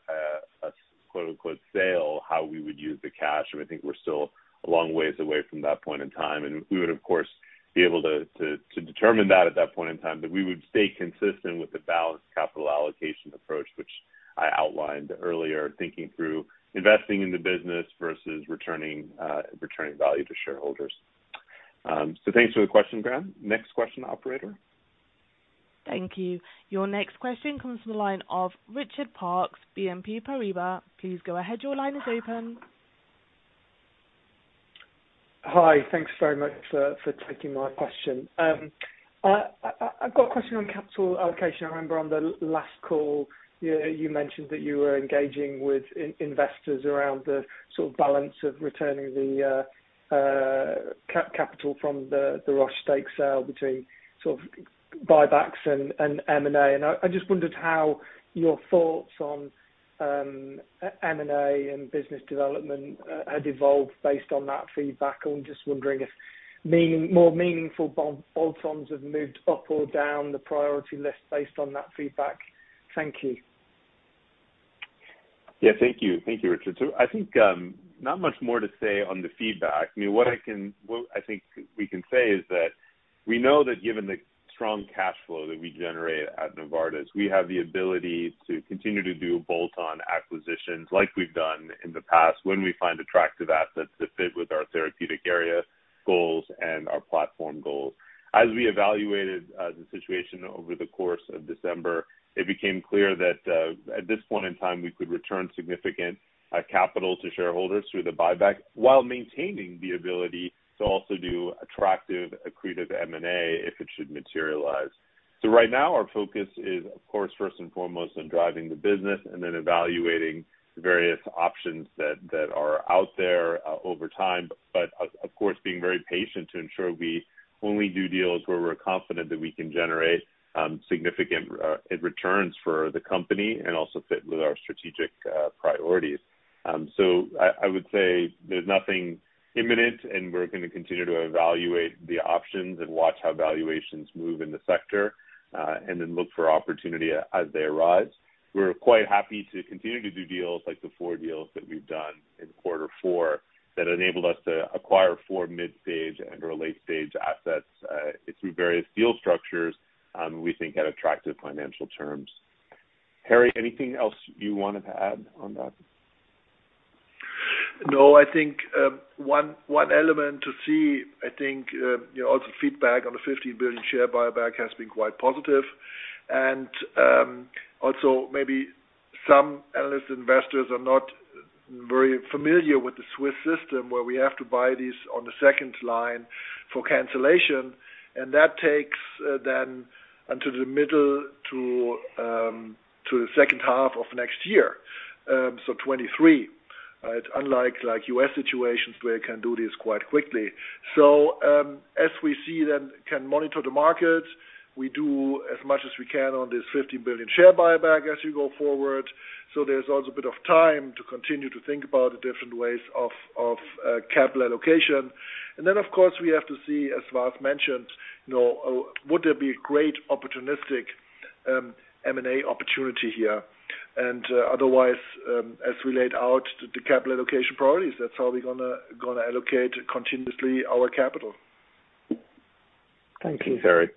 a quote-unquote sale, how we would use the cash. I think we're still a long ways away from that point in time. We would of course be able to determine that at that point in time. We would stay consistent with the balanced capital allocation approach, which I outlined earlier, thinking through investing in the business versus returning value to shareholders. Thanks for the question, Graham. Next question, operator. Thank you. Your next question comes from the line of Richard Parkes, BNP Paribas. Please go ahead. Your line is open. Hi. Thanks very much for taking my question. I've got a question on capital allocation. I remember on the last call, you mentioned that you were engaging with investors around the sort of balance of returning the capital from the Roche stake sale between sort of buybacks and M&A. I just wondered how your thoughts on M&A and business development had evolved based on that feedback. I'm just wondering if more meaningful bolt-ons have moved up or down the priority list based on that feedback. Thank you. Yeah, thank you. Thank you, Richard. I think not much more to say on the feedback. I mean, what I think we can say is that we know that given the strong cash flow that we generate at Novartis, we have the ability to continue to do bolt-on acquisitions like we've done in the past when we find attractive assets that fit with our therapeutic area goals and our platform goals. As we evaluated the situation over the course of December, it became clear that at this point in time, we could return significant capital to shareholders through the buyback while maintaining the ability to also do attractive, accretive M&A if it should materialize. Right now, our focus is of course first and foremost on driving the business and then evaluating the various options that are out there over time. Of course, being very patient to ensure we only do deals where we're confident that we can generate significant returns for the company and also fit with our strategic priorities. I would say there's nothing imminent, and we're gonna continue to evaluate the options and watch how valuations move in the sector, and then look for opportunity as they arise. We're quite happy to continue to do deals like the four deals that we've done in quarter four that enabled us to acquire four mid-stage and/or late-stage assets through various deal structures, we think at attractive financial terms. Harry, anything else you wanted to add on that? No, I think one element to see. I think you know, also feedback on the $50 billion share buyback has been quite positive. Also maybe some analyst investors are not very familiar with the Swiss system where we have to buy these on the second line for cancellation, and that takes then until the middle to the second half of next year. 2023. It's unlike U.S. situations where you can do this quite quickly. As we see then can monitor the market, we do as much as we can on this $50 billion share buyback as you go forward. There's also a bit of time to continue to think about the different ways of capital allocation. Of course, we have to see, as Vas mentioned, you know, would there be great opportunistic M&A opportunity here? Otherwise, as we laid out the capital allocation priorities, that's how we're gonna allocate continuously our capital. Thank you. Thank you, Harry.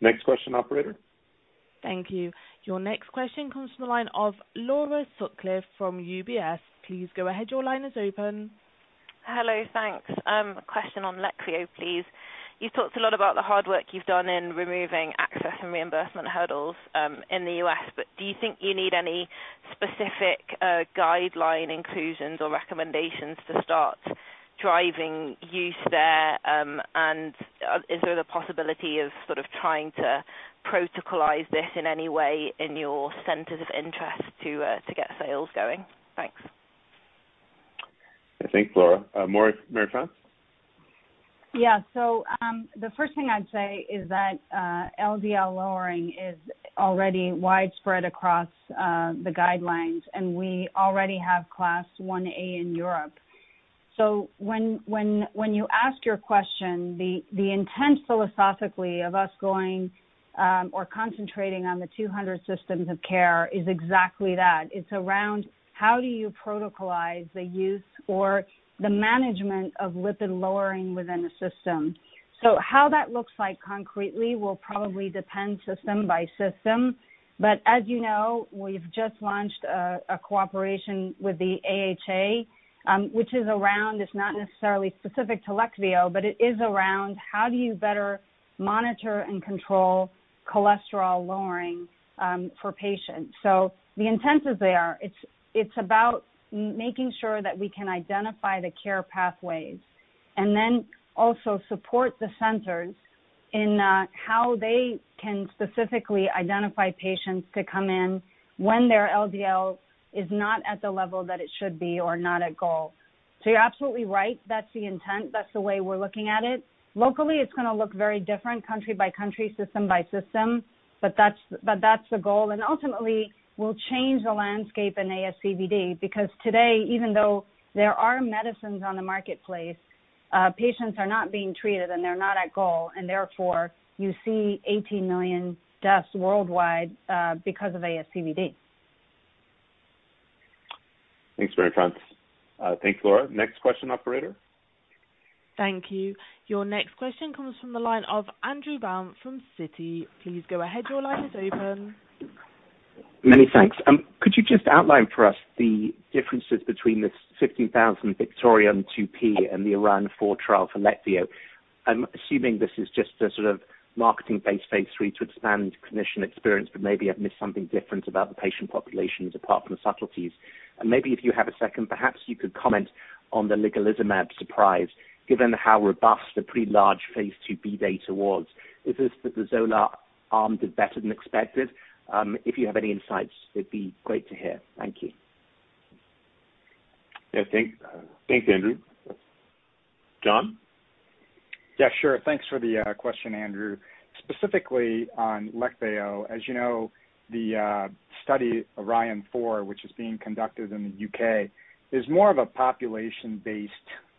Next question, operator. Thank you. Your next question comes from the line of Laura Sutcliffe from UBS. Please go ahead. Your line is open. Hello. Thanks. A question on Leqvio, please. You've talked a lot about the hard work you've done in removing access and reimbursement hurdles in the U.S., but do you think you need any specific guideline inclusions or recommendations to start driving use there? Is there the possibility of sort of trying to protocolize this in any way in your centers of interest to get sales going? Thanks. Thanks, Laura. Marie-France? The first thing I'd say is that LDL lowering is already widespread across the guidelines, and we already have Type IA in Europe. When you ask your question, the intent philosophically of us going or concentrating on the 200 systems of care is exactly that. It's around how do you protocolize the use or the management of lipid lowering within a system. How that looks like concretely will probably depend system by system. As you know, we've just launched a cooperation with the AHA. It's not necessarily specific to Leqvio, but it is around how do you better monitor and control cholesterol lowering for patients. The intent is there. It's about making sure that we can identify the care pathways and then also support the centers in how they can specifically identify patients to come in when their LDL is not at the level that it should be or not at goal. You're absolutely right. That's the intent. That's the way we're looking at it. Locally, it's gonna look very different country by country, system by system, but that's the goal, and ultimately will change the landscape in ASCVD, because today, even though there are medicines on the marketplace, patients are not being treated and they're not at goal, and therefore you see 18 million deaths worldwide because of ASCVD. Thanks, Marie-France. Thanks, Laura. Next question, operator. Thank you. Your next question comes from the line of Andrew Baum from Citi. Please go ahead. Your line is open. Many thanks. Could you just outline for us the differences between the 15,000 VICTORION-2P and the ORION-4 trial for Leqvio? I'm assuming this is just a sort of marketing-based phase III to expand clinician experience, but maybe I've missed something different about the patient populations apart from the subtleties. Maybe if you have a second, perhaps you could comment on the ligelizumab surprise, given how robust the large phase IIb data was. Is it that the Xolair arm did better than expected? If you have any insights, it'd be great to hear. Thank you. Yeah, thanks. Thanks, Andrew. John? Yeah, sure. Thanks for the question, Andrew. Specifically on Leqvio, as you know, the study ORION-4, which is being conducted in the U.K., is more of a population-based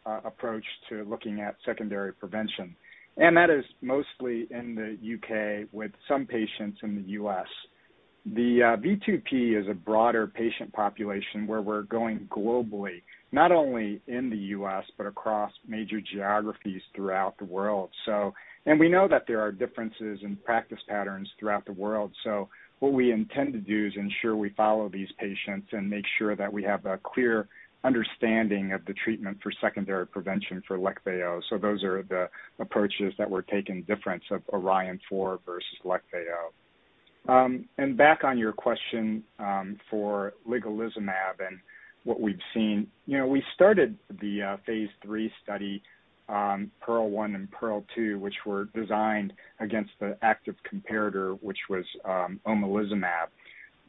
approach to looking at secondary prevention. That is mostly in the U.K., with some patients in the U.S. The VICTORION-2P is a broader patient population where we're going globally, not only in the U.S., but across major geographies throughout the world. We know that there are differences in practice patterns throughout the world. What we intend to do is ensure we follow these patients and make sure that we have a clear understanding of the treatment for secondary prevention for Leqvio. Those are the approaches that we're taking difference of ORION-4 versus Leqvio. Back on your question, for ligelizumab and what we've seen. You know, we started the phase III study, PEARL 1 and PEARL 2, which were designed against the active comparator, which was omalizumab.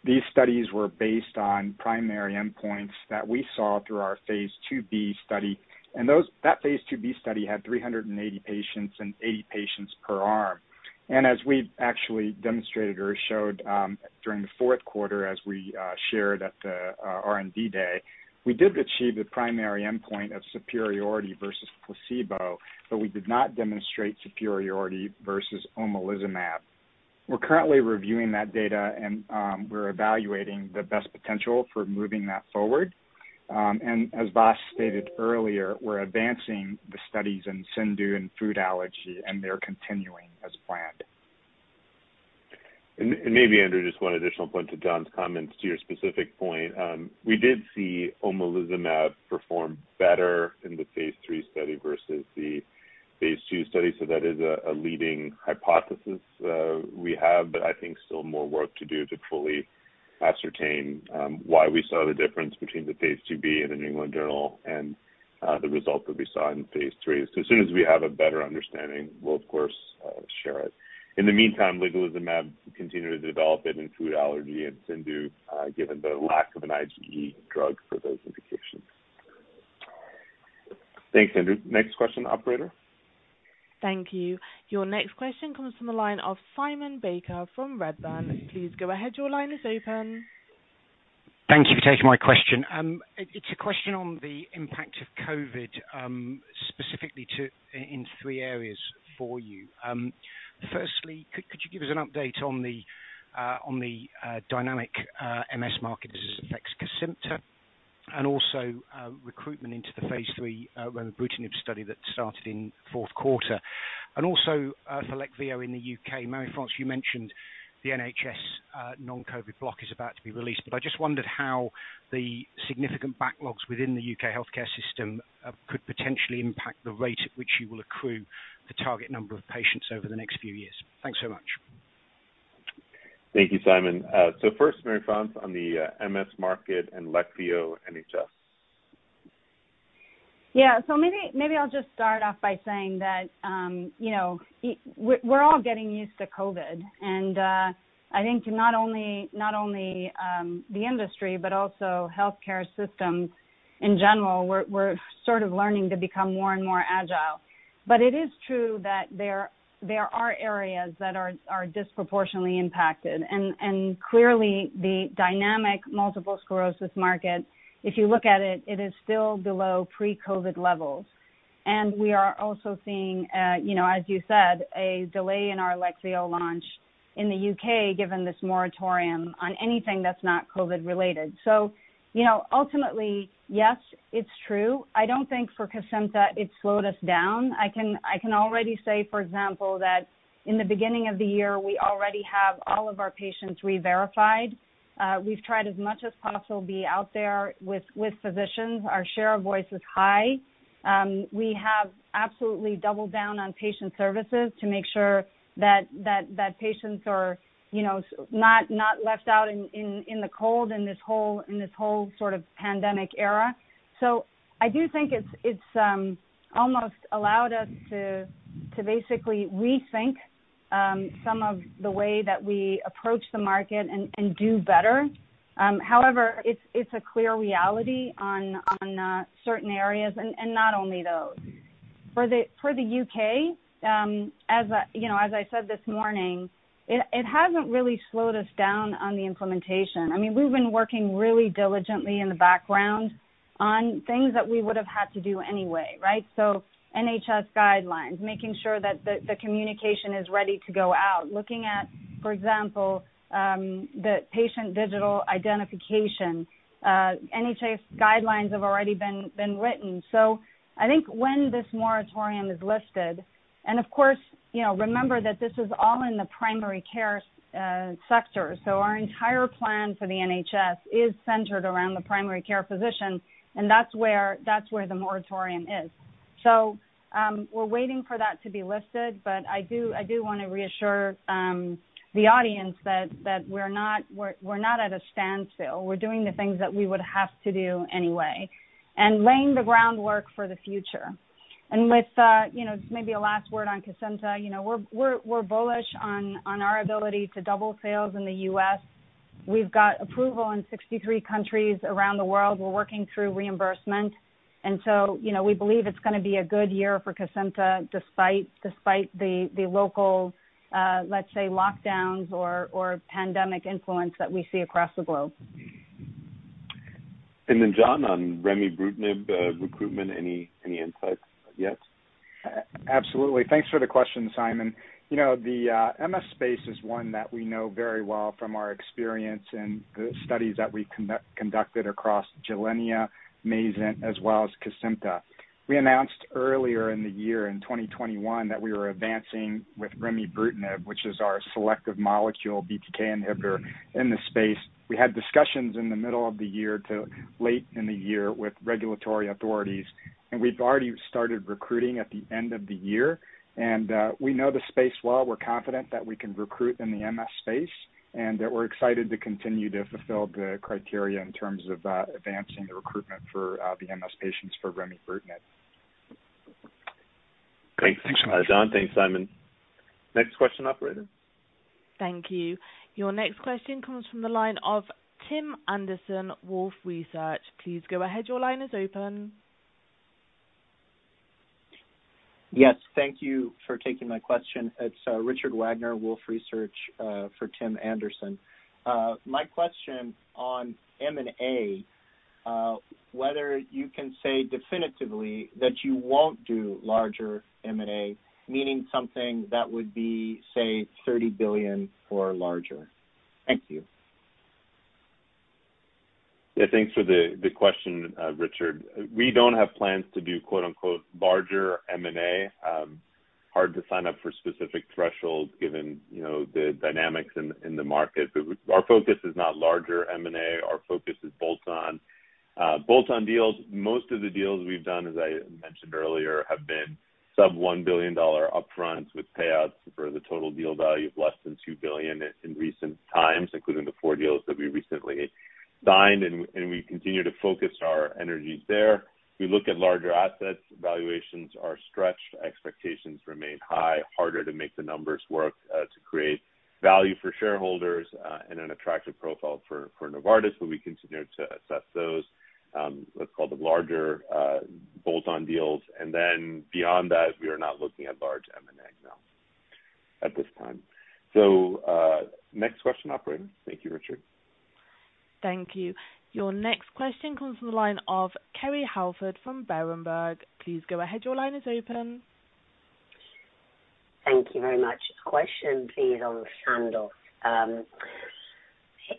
These studies were based on primary endpoints that we saw through our phase IIb study. That phase IIb study had 380 patients and 80 patients per arm. As we've actually demonstrated or showed during the fourth quarter, as we shared at the R&D day, we did achieve the primary endpoint of superiority versus placebo, but we did not demonstrate superiority versus omalizumab. We're currently reviewing that data and we're evaluating the best potential for moving that forward. As Vas stated earlier, we're advancing the studies in CIndU and food allergy, and they're continuing as planned. Maybe, Andrew, just one additional point to John's comments, to your specific point. We did see omalizumab perform better in the phase III study versus the phase II study, so that is a leading hypothesis we have, but I think still more work to do to fully ascertain why we saw the difference between the phase IIb and the New England Journal of Medicine and the results that we saw in phase III. As soon as we have a better understanding, we'll of course share it. In the meantime, we'll continue to develop ligelizumab in food allergy and CIndU, given the lack of an IgE drug for those indications. Thanks, Andrew. Next question, operator. Thank you. Your next question comes from the line of Simon Baker from Redburn. Please go ahead. Your line is open. Thank you for taking my question. It's a question on the impact of COVID, specifically in three areas for you. First, could you give us an update on the dynamic MS market as it affects Kesimpta and also recruitment into the phase III for the remibrutinib study that started in fourth quarter, and also for Leqvio in the U.K. Marie-France, you mentioned the NHS non-COVID backlog is about to be released, but I just wondered how the significant backlogs within the U.K. healthcare system could potentially impact the rate at which you will accrue the target number of patients over the next few years. Thanks so much. Thank you, Simon. First, Marie-France, on the MS market and Leqvio NHS. Maybe I'll just start off by saying that, you know, we're all getting used to COVID, and I think not only the industry, but also healthcare systems in general, we're sort of learning to become more and more agile. It is true that there are areas that are disproportionately impacted. Clearly the dynamic multiple sclerosis market, if you look at it is still below pre-COVID levels. We are also seeing, you know, as you said, a delay in our Leqvio launch in the U.K., given this moratorium on anything that's not COVID related. You know, ultimately, yes, it's true. I don't think for Kesimpta, it slowed us down. I can already say, for example, that in the beginning of the year, we already have all of our patients reverified. We've tried as much as possible to be out there with physicians. Our share of voice is high. We have absolutely doubled down on patient services to make sure that patients are, you know, not left out in the cold in this whole sort of pandemic era. I do think it's almost allowed us to basically rethink some of the way that we approach the market and do better. However, it's a clear reality on certain areas, and not only those. For the U.K., as I, you know, as I said this morning, it hasn't really slowed us down on the implementation. I mean, we've been working really diligently in the background on things that we would have had to do anyway, right? NHS guidelines, making sure that the communication is ready to go out. Looking at, for example, the patient digital identification. NHS guidelines have already been written. I think when this moratorium is lifted, and of course, you know, remember that this is all in the primary care sector. Our entire plan for the NHS is centered around the primary care physician, and that's where the moratorium is. We're waiting for that to be lifted, but I do wanna reassure the audience that we're not at a standstill. We're doing the things that we would have to do anyway, and laying the groundwork for the future. With you know, just maybe a last word on Cosentyx. You know, we're bullish on our ability to double sales in the U.S. We've got approval in 63 countries around the world. We're working through reimbursement. You know, we believe it's gonna be a good year for Cosentyx despite the local, let's say, lockdowns or pandemic influence that we see across the globe. John, on remibrutinib recruitment, any insights yet? Absolutely. Thanks for the question, Simon. You know, the MS space is one that we know very well from our experience and the studies that we conducted across Gilenya, Mayzent, as well as Kesimpta. We announced earlier in the year in 2021 that we were advancing with remibrutinib, which is our selective molecule BTK inhibitor in the space. We had discussions in the middle of the year to late in the year with regulatory authorities, and we've already started recruiting at the end of the year. We know the space well. We're confident that we can recruit in the MS space, and that we're excited to continue to fulfill the criteria in terms of advancing the recruitment for the MS patients for remibrutinib. Great. Thanks so much. John. Thanks, Simon. Next question, operator. Thank you. Your next question comes from the line of Tim Anderson, Wolfe Research. Please go ahead. Your line is open. Yes. Thank you for taking my question. It's Richard Wagner, Wolfe Research, for Tim Anderson. My question on M&A, whether you can say definitively that you won't do larger M&A, meaning something that would be, say, $30 billion or larger. Thank you. Yeah, thanks for the question, Richard. We don't have plans to do quote-unquote “larger M&A.” Hard to sign up for specific thresholds given, you know, the dynamics in the market. Our focus is not larger M&A. Our focus is bolt-on. Bolt-on deals, most of the deals we've done, as I mentioned earlier, have been sub $1 billion upfront with payouts for the total deal value of less than $2 billion in recent times, including the four deals that we recently signed, and we continue to focus our energies there. We look at larger assets. Valuations are stretched. Expectations remain high. Harder to make the numbers work to create value for shareholders and an attractive profile for Novartis, but we continue to assess those, let's call them larger bolt-on deals. Beyond that, we are not looking at large M&As, no, at this time. Next question, operator. Thank you, Richard. Thank you. Your next question comes from the line of Kerry Holford from Berenberg. Please go ahead. Your line is open. Thank you very much. Question please on Sandoz.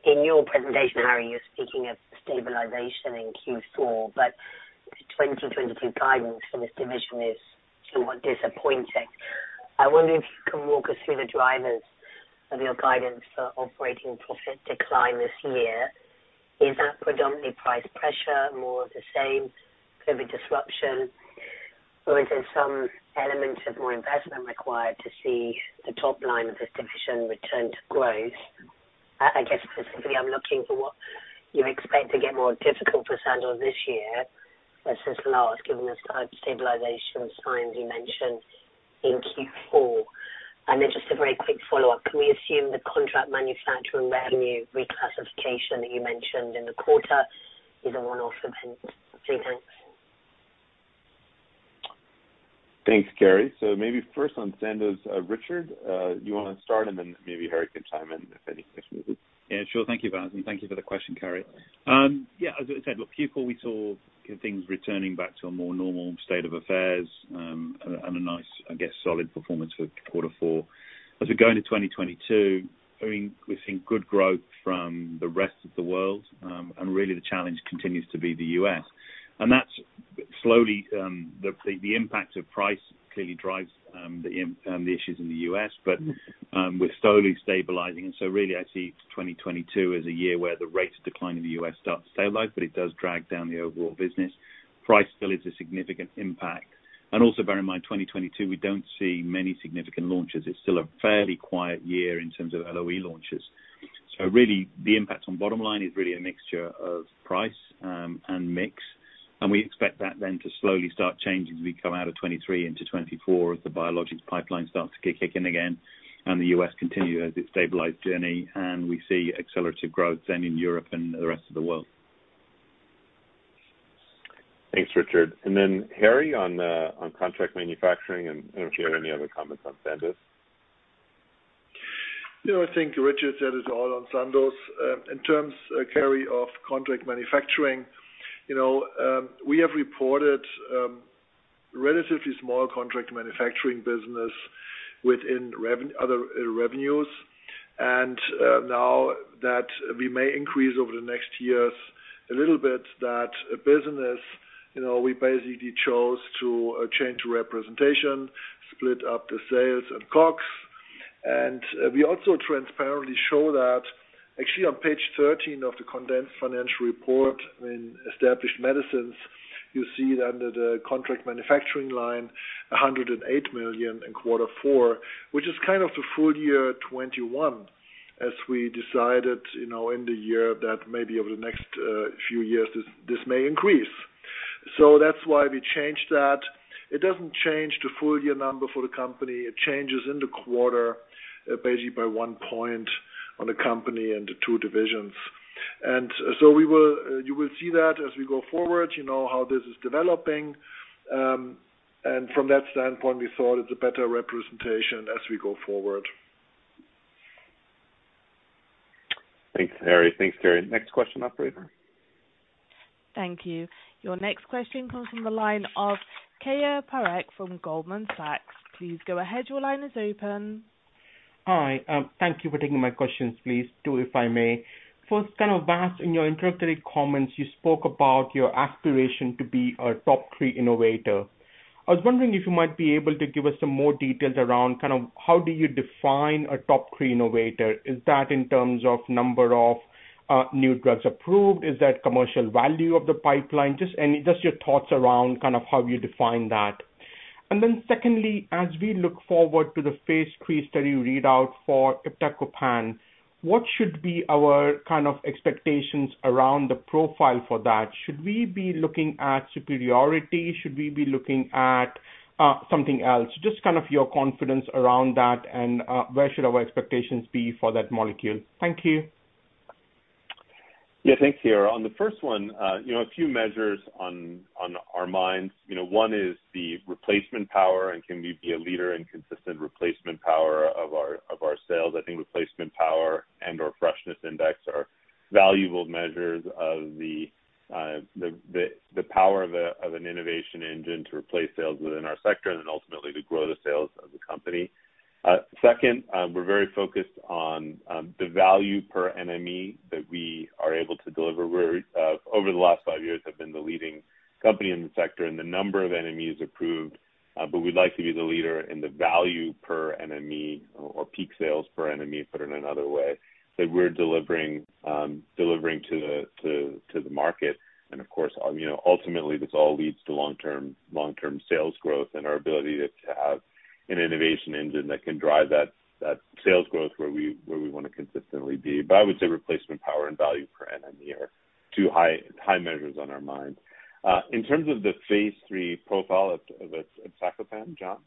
In your presentation, Harry, you're speaking of stabilization in Q4, but the 2022 guidance for this division is somewhat disappointing. I wonder if you can walk us through the drivers of your guidance for operating profit decline this year. Is that predominantly price pressure, more of the same COVID disruption, or is there some element of more investment required to see the top line of this division return to growth? I guess specifically I'm looking for what you expect to get more difficult for Sandoz this year versus last, given the type of stabilization signs you mentioned in Q4. Just a very quick follow-up. Can we assume the contract manufacturing revenue reclassification that you mentioned in the quarter is a one-off event? Okay, thanks. Thanks, Kerry. Maybe first on Sandoz, Richard, you wanna start and then maybe Harry can chime in if anything's missed. Yeah, sure. Thank you, Vas. Thank you for the question, Kerry. As I said, look, Q4 we saw things returning back to a more normal state of affairs, and a nice, I guess, solid performance for quarter four. As we go into 2022, I mean, we've seen good growth from the rest of the world, and really the challenge continues to be the U.S. That's Slowly, the impact of price clearly drives the issues in the U.S., but we're slowly stabilizing. Really, I see 2022 as a year where the rate of decline in the U.S. starts to stabilize, but it does drag down the overall business. Price still is a significant impact. Bear in mind, 2022, we don't see many significant launches. It's still a fairly quiet year in terms of LOE launches. Really the impact on bottom line is really a mixture of price and mix, and we expect that then to slowly start changing as we come out of 2023 into 2024 as the biologics pipeline starts to get kicking again and the U.S. continues its stabilization journey, and we see accelerative growth then in Europe and the rest of the world. Thanks, Richard. Harry on contract manufacturing, and I don't know if you have any other comments on Sandoz. No, I think Richard said it all on Sandoz. In terms of carry of contract manufacturing, you know, we have reported relatively small contract manufacturing business within other revenues. Now that we may increase over the next years a little bit that business, you know, we basically chose to change representation, split up the sales and COGS. We also transparently show that actually on page 13 of the condensed financial report in Established Medicines, you see that under the contract manufacturing line, $108 million in quarter four, which is kind of the full year 2021, as we decided, you know, in the year that maybe over the next few years this may increase. That's why we changed that. It doesn't change the full year number for the company. It changes in the quarter, basically by one point on the company and the two divisions. You will see that as we go forward, you know, how this is developing. From that standpoint, we thought it's a better representation as we go forward. Thanks, Harry. Thanks, Kerry. Next question, operator. Thank you. Your next question comes from the line of Keyur Parekh from Goldman Sachs. Please go ahead. Your line is open. Hi. Thank you for taking my questions. Please, two, if I may. First, kind of Vas in your introductory comments you spoke about your aspiration to be a top-three innovator. I was wondering if you might be able to give us some more details around kind of how do you define a top-three innovator. Is that in terms of number of new drugs approved? Is that commercial value of the pipeline? Just your thoughts around kind of how you define that. Then secondly, as we look forward to the phase III study readout for iptacopan, what should be our kind of expectations around the profile for that? Should we be looking at superiority? Should we be looking at something else? Just kind of your confidence around that and where should our expectations be for that molecule. Thank you. Yeah. Thanks, Keyur. On the first one, you know, a few measures on our minds. You know, one is the replacement power and can we be a leader in consistent replacement power of our sales? I think replacement power and or freshness index are valuable measures of the power of an innovation engine to replace sales within our sector and then ultimately to grow the sales of the company. Second, we're very focused on the value per NME that we are able to deliver. We're over the last five years have been the leading company in the sector and the number of NMEs approved, but we'd like to be the leader in the value per NME or peak sales per NME, put it another way, that we're delivering to the to the market. Of course, you know, ultimately this all leads to long-term sales growth and our ability to have an innovation engine that can drive that sales growth where we wanna consistently be. I would say replacement power and value per NME are two high measures on our minds. In terms of the phase III profile of iptacopan, John?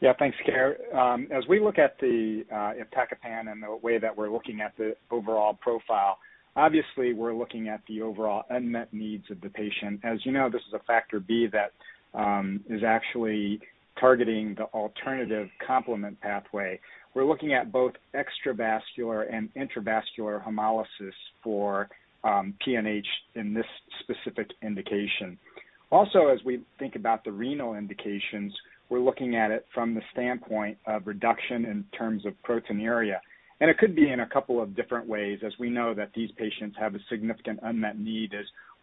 Yeah. Thanks, Keyur. As we look at the Iptacopan and the way that we're looking at the overall profile, obviously we're looking at the overall unmet needs of the patient. As you know, this is a Factor B that is actually targeting the alternative complement pathway. We're looking at both extravascular and intravascular hemolysis for PNH in this specific indication. Also, as we think about the renal indications, we're looking at it from the standpoint of reduction in terms of proteinuria. It could be in a couple of different ways as we know that these patients have a significant unmet need,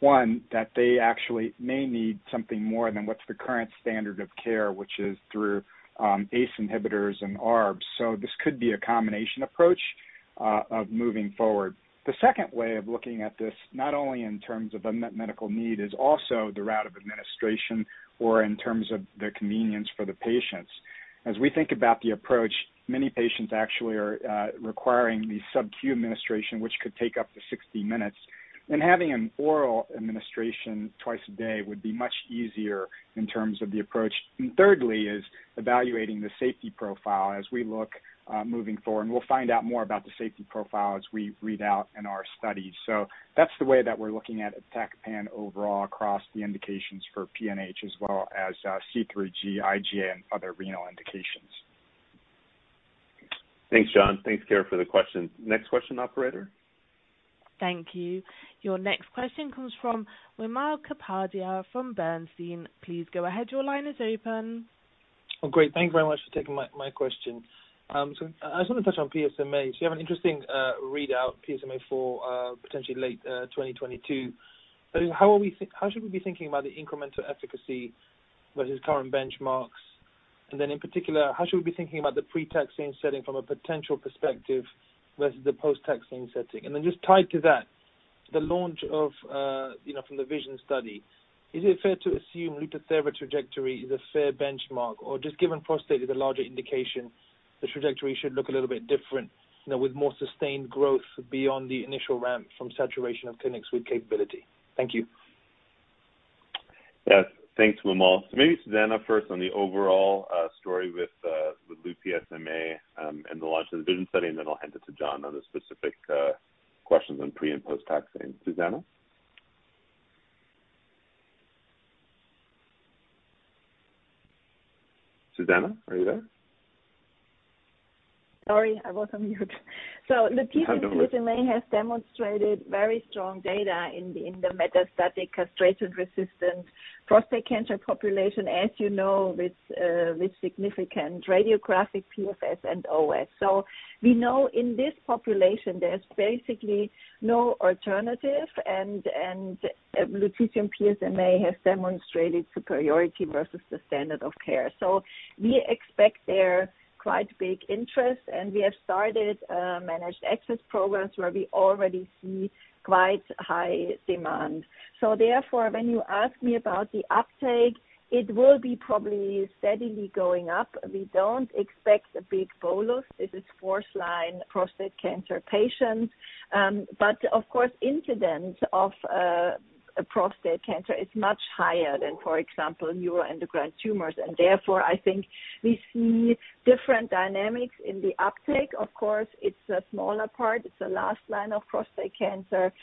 one, that they actually may need something more than what's the current standard of care, which is through ACE inhibitors and ARBs. This could be a combination approach of moving forward. The second way of looking at this, not only in terms of unmet medical need, is also the route of administration or in terms of the convenience for the patients. As we think about the approach, many patients actually are requiring the sub-Q administration, which could take up to 60 minutes, and having an oral administration twice a day would be much easier in terms of the approach. Thirdly is evaluating the safety profile as we look moving forward, and we'll find out more about the safety profile as we read out in our studies. That's the way that we're looking at iptacopan overall across the indications for PNH as well as C3G, IgA, and other renal indications. Thanks, John. Thanks, Keyur, for the question. Next question, operator. Thank you. Your next question comes from Wimal Kapadia from Bernstein. Please go ahead. Your line is open. Oh, great. Thank you very much for taking my question. So I just want to touch on PSMA. You have an interesting readout PSMA for potentially late 2022. But how should we be thinking about the incremental efficacy versus current benchmarks? And then in particular, how should we be thinking about the pre-taxane setting from a potential perspective versus the post-taxane setting? And then just tied to that, the launch of, you know, from the VISION study, is it fair to assume Lutathera trajectory is a fair benchmark or just given prostate is a larger indication, the trajectory should look a little bit different, you know, with more sustained growth beyond the initial ramp from saturation of clinics with capability. Thank you. Yes, thanks, Wimal. Maybe Susanne first on the overall story with lutetium PSMA and the launch of the VISION study, and then I'll hand it to John on the specific questions on pre- and post-taxane. Susanne? Susanne, are you there? Sorry, I was on mute. Sound normal. Lutetium PSMA has demonstrated very strong data in the metastatic castration-resistant prostate cancer population, as you know, with significant radiographic PFS and OS. We know in this population there's basically no alternative and lutetium PSMA has demonstrated superiority versus the standard of care. We expect there quite big interest, and we have started managed access programs where we already see quite high demand. Therefore, when you ask me about the uptake, it will be probably steadily going up. We don't expect a big bolus. This is first line prostate cancer patients. Of course, incidence of prostate cancer is much higher than, for example, neuroendocrine tumors. Therefore, I think we see different dynamics in the uptake. Of course, it's a smaller part. It's the last line of prostate cancer.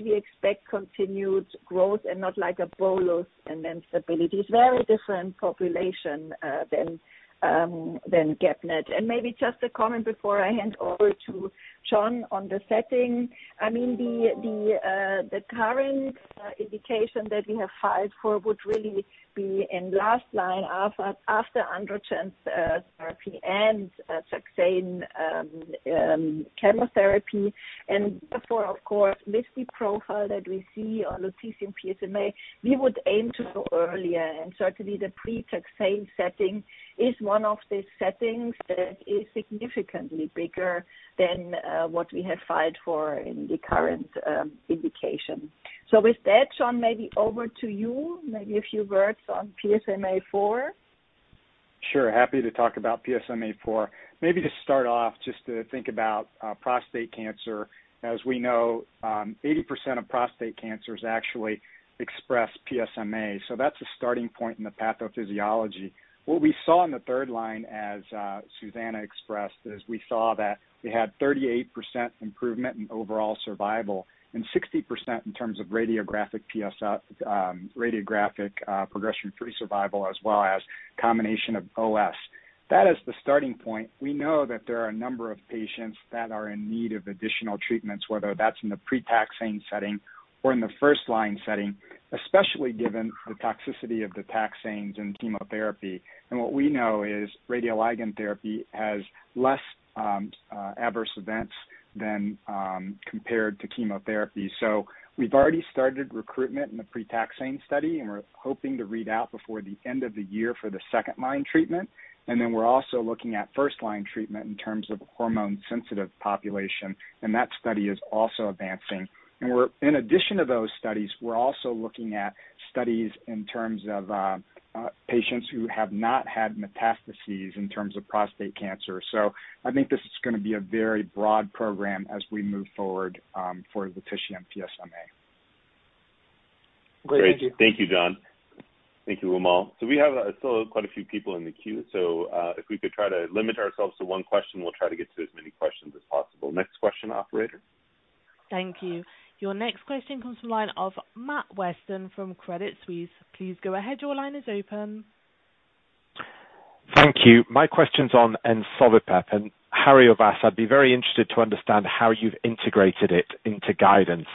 We expect continued growth and not like a bolus and then stability. It's very different population than GEP-NET. Maybe just a comment before I hand over to John on the setting. I mean, the current indication that we have filed for would really be in last line after androgen therapy and taxane chemotherapy. Therefore, of course, risk profile that we see on lutetium PSMA, we would aim to go earlier. Certainly the pre-taxane setting is one of the settings that is significantly bigger than what we have filed for in the current indication. With that, John, maybe over to you, maybe a few words on PSMAfore. Sure. Happy to talk about PSMAfore. Maybe to start off, just to think about prostate cancer. As we know, 80% of prostate cancers actually express PSMA. So that's a starting point in the pathophysiology. What we saw in the third line, as Susanne expressed, is we saw that we had 38% improvement in overall survival and 60% in terms of radiographic progression-free survival, as well as combination of OS. That is the starting point. We know that there are a number of patients that are in need of additional treatments, whether that's in the pre-taxane setting or in the first line setting, especially given the toxicity of the taxanes in chemotherapy. What we know is radioligand therapy has less adverse events than compared to chemotherapy. We've already started recruitment in the pre-taxane study, and we're hoping to read out before the end of the year for the second-line treatment. We're also looking at first line treatment in terms of hormone-sensitive population, and that study is also advancing. In addition to those studies, we're also looking at studies in terms of patients who have not had metastases in terms of prostate cancer. I think this is gonna be a very broad program as we move forward for lutetium PSMA. Great. Thank you. Great. Thank you, John. Thank you, Wimal. We have still quite a few people in the queue. If we could try to limit ourselves to one question, we'll try to get to as many questions as possible. Next question, operator. Thank you. Your next question comes from the line of Matthew Weston from Credit Suisse. Please go ahead. Your line is open. Thank you. My question's on Ensovibep. Harry or Vas, I'd be very interested to understand how you've integrated it into guidance.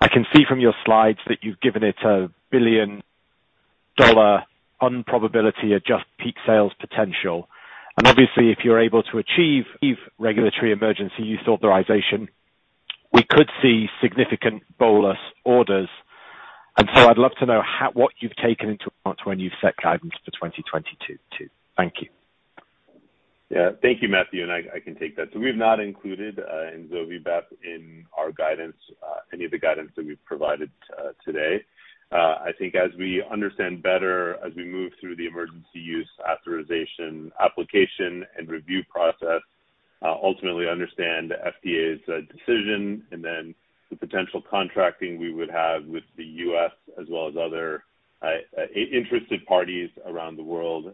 I can see from your slides that you've given it a billion-dollar probability-adjusted peak sales potential. Obviously, if you're able to achieve regulatory emergency use authorization, we could see significant bolus orders. I'd love to know what you've taken into account when you've set guidance for 2022 too. Thank you. Yeah. Thank you, Matthew, and I can take that. We have not included ensovibep in our guidance, any of the guidance that we've provided today. I think as we understand better, as we move through the emergency use authorization application and review process, ultimately understand the FDA's decision and then the potential contracting we would have with the U.S. as well as other interested parties around the world.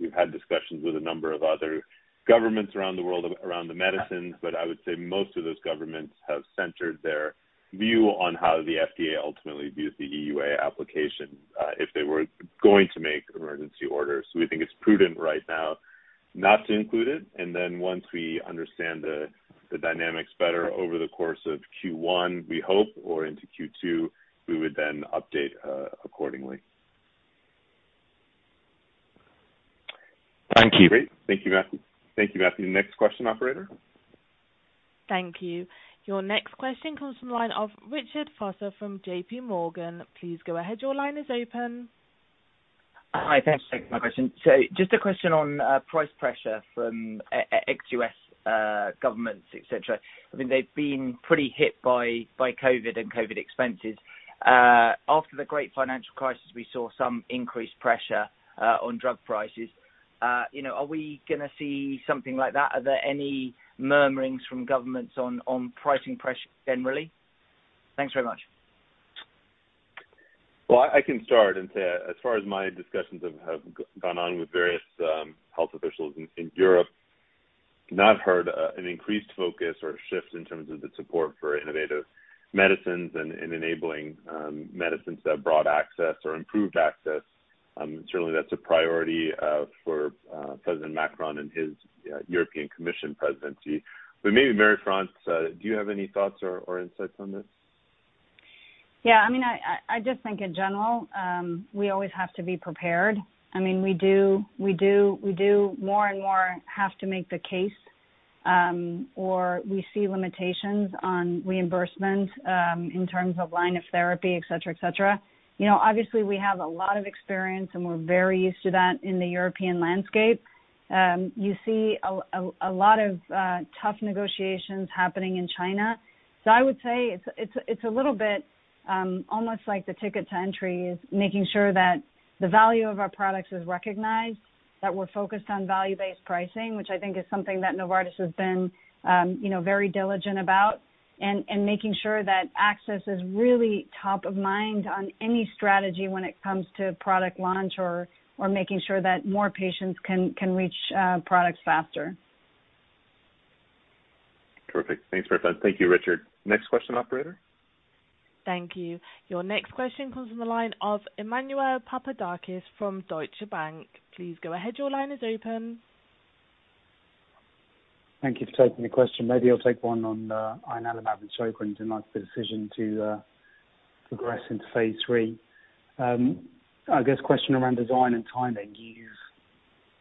We've had discussions with a number of other governments around the world around the medicines, but I would say most of those governments have centered their view on how the FDA ultimately views the EUA application, if they were going to make emergency orders. We think it's prudent right now not to include it, and then once we understand the dynamics better over the course of Q1, we hope, or into Q2, we would then update accordingly. Thank you. Great. Thank you, Matthew. Next question, operator. Thank you. Your next question comes from the line of Richard Vosser from JPMorgan. Please go ahead. Your line is open. Hi. Thanks for taking my question. Just a question on price pressure from ex-U.S. governments, et cetera. I mean, they've been pretty hit by COVID and COVID expenses. After the great financial crisis, we saw some increased pressure on drug prices. You know, are we gonna see something like that? Are there any murmurings from governments on pricing pressure generally? Thanks very much. Well, I can start and say, as far as my discussions have gone on with various health officials in Europe, I have not heard an increased focus or shifts in terms of the support for innovative medicines and enabling medicines to have broad access or improved access. Certainly that's a priority for Emmanuel Macron and his European Commission presidency. Maybe Marie-France, do you have any thoughts or insights on this? Yeah, I mean, I just think in general, we always have to be prepared. I mean, we do more and more have to make the case, or we see limitations on reimbursement, in terms of line of therapy, et cetera, et cetera. You know, obviously, we have a lot of experience, and we're very used to that in the European landscape. You see a lot of tough negotiations happening in China. I would say it's a little bit almost like the ticket to entry is making sure that the value of our products is recognized, that we're focused on value-based pricing, which I think is something that Novartis has been, you know, very diligent about. Making sure that access is really top of mind on any strategy when it comes to product launch or making sure that more patients can reach products faster. Perfect. Thanks, Marie-France. Thank you, Richard. Next question, operator. Thank you. Your next question comes from the line of Emmanuel Papadakis from Deutsche Bank. Please go ahead. Your line is open. Thank you for taking the question. Maybe I'll take one on ianalumab and Sjögren's and like the decision to progress into phase III. I guess question around design and timing. You've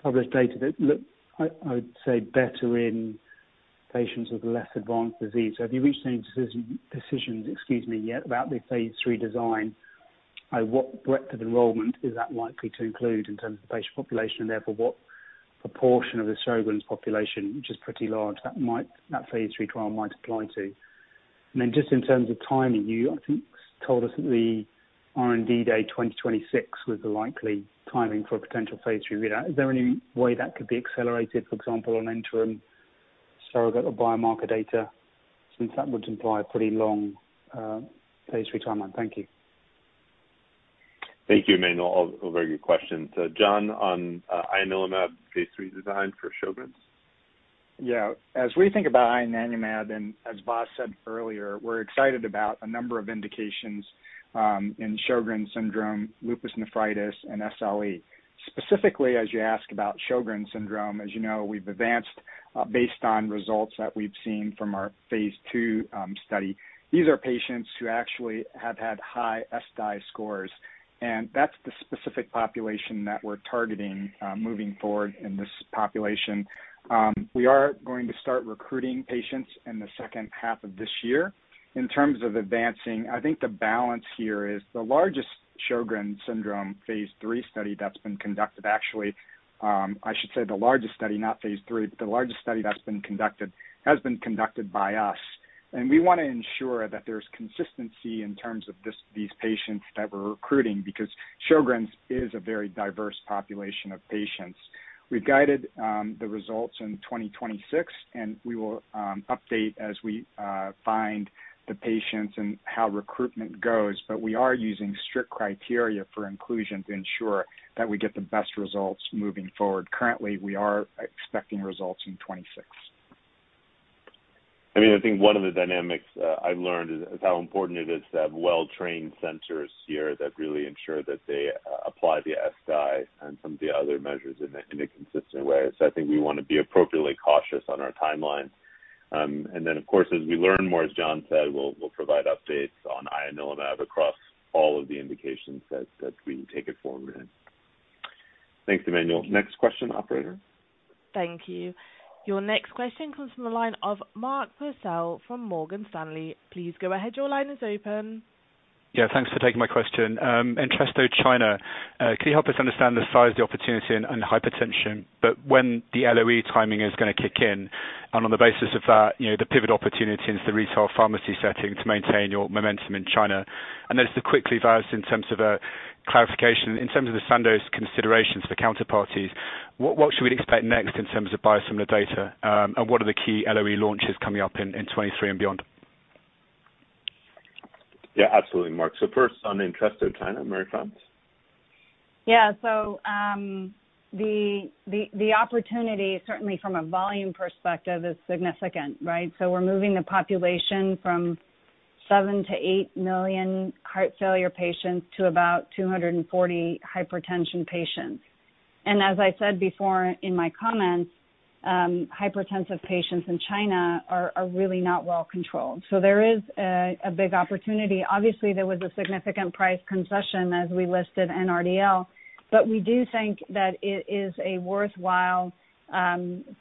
published data that look, I would say better in patients with less advanced disease. So have you reached any decisions, excuse me, yet about the phase III design? What breadth of enrollment is that likely to include in terms of patient population, and therefore, what proportion of the Sjögren's population, which is pretty large, that phase III trial might apply to? And then just in terms of timing, I think you told us that the R&D Day 2026 was the likely timing for a potential phase III readout. Is there any way that could be accelerated, for example, on interim surrogate or biomarker data, since that would imply a pretty long phase III timeline? Thank you. Thank you, Emmanuel. A very good question. John, on ianalumab phase III design for Sjögren's. Yeah. As we think about ianalumab, and as Vas said earlier, we're excited about a number of indications in Sjögren's syndrome, lupus nephritis and SLE. Specifically, as you ask about Sjögren's syndrome, as you know, we've advanced based on results that we've seen from our phase II study. These are patients who actually have had high ESSDAI scores, and that's the specific population that we're targeting moving forward in this population. We are going to start recruiting patients in the second half of this year. In terms of advancing, I think the boldest here is the largest Sjögren's syndrome phase III study that's been conducted, actually, I should say the largest study, not phase III. The largest study that's been conducted has been conducted by us. We wanna ensure that there's consistency in terms of these patients that we're recruiting, because Sjögren's is a very diverse population of patients. We've guided the results in 2026, and we will update as we find the patients and how recruitment goes. We are using strict criteria for inclusion to ensure that we get the best results moving forward. Currently, we are expecting results in 2026. I mean, I think one of the dynamics I learned is how important it is to have well-trained centers here that really ensure that they apply the SDI and some of the other measures in a consistent way. I think we wanna be appropriately cautious on our timeline. Then, of course, as we learn more, as John said, we'll provide updates on ianalumab across all of the indications that we take it forward in. Thanks, Emmanuel. Next question, operator. Thank you. Your next question comes from the line of Mark Purcell from Morgan Stanley. Please go ahead. Your line is open. Yeah, thanks for taking my question. Entresto China, can you help us understand the size of the opportunity in China and hypertension, but when the LOE timing is gonna kick in? On the basis of that, you know, the pivot opportunity into the retail pharmacy setting to maintain your momentum in China. I notice [unintelligible] in terms of clarification. In terms of the Sandoz considerations for counterparties, what should we expect next in terms of biosimilar data? What are the key LOE launches coming up in 2023 and beyond? Yeah, absolutely, Mark. First on Entresto China, Marie-France. Yeah. The opportunity, certainly from a volume perspective, is significant, right? We're moving the population from 7 to 8 million heart failure patients to about 240 hypertension patients. As I said before in my comments, hypertensive patients in China are really not well controlled. There is a big opportunity. Obviously, there was a significant price concession as we listed NRDL, but we do think that it is a worthwhile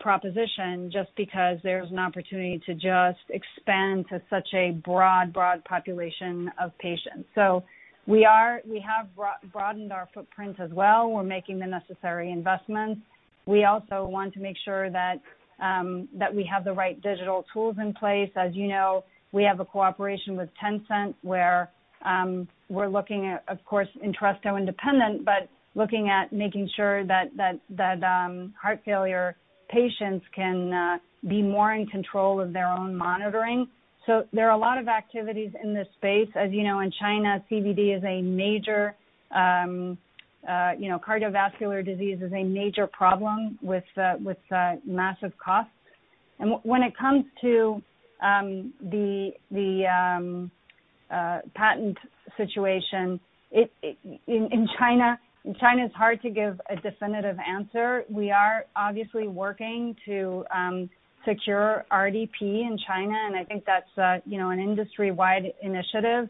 proposition just because there's an opportunity to just expand to such a broad population of patients. We have broadened our footprint as well. We're making the necessary investments. We also want to make sure that we have the right digital tools in place. As you know, we have a cooperation with Tencent where we're looking at, of course, Entresto independent, but looking at making sure that heart failure patients can be more in control of their own monitoring. There are a lot of activities in this space. As you know, in China, CVD is a major, you know, cardiovascular disease is a major problem with massive costs. When it comes to the patent situation, it's hard in China to give a definitive answer. We are obviously working to secure RDP in China, and I think that's you know, an industry-wide initiative.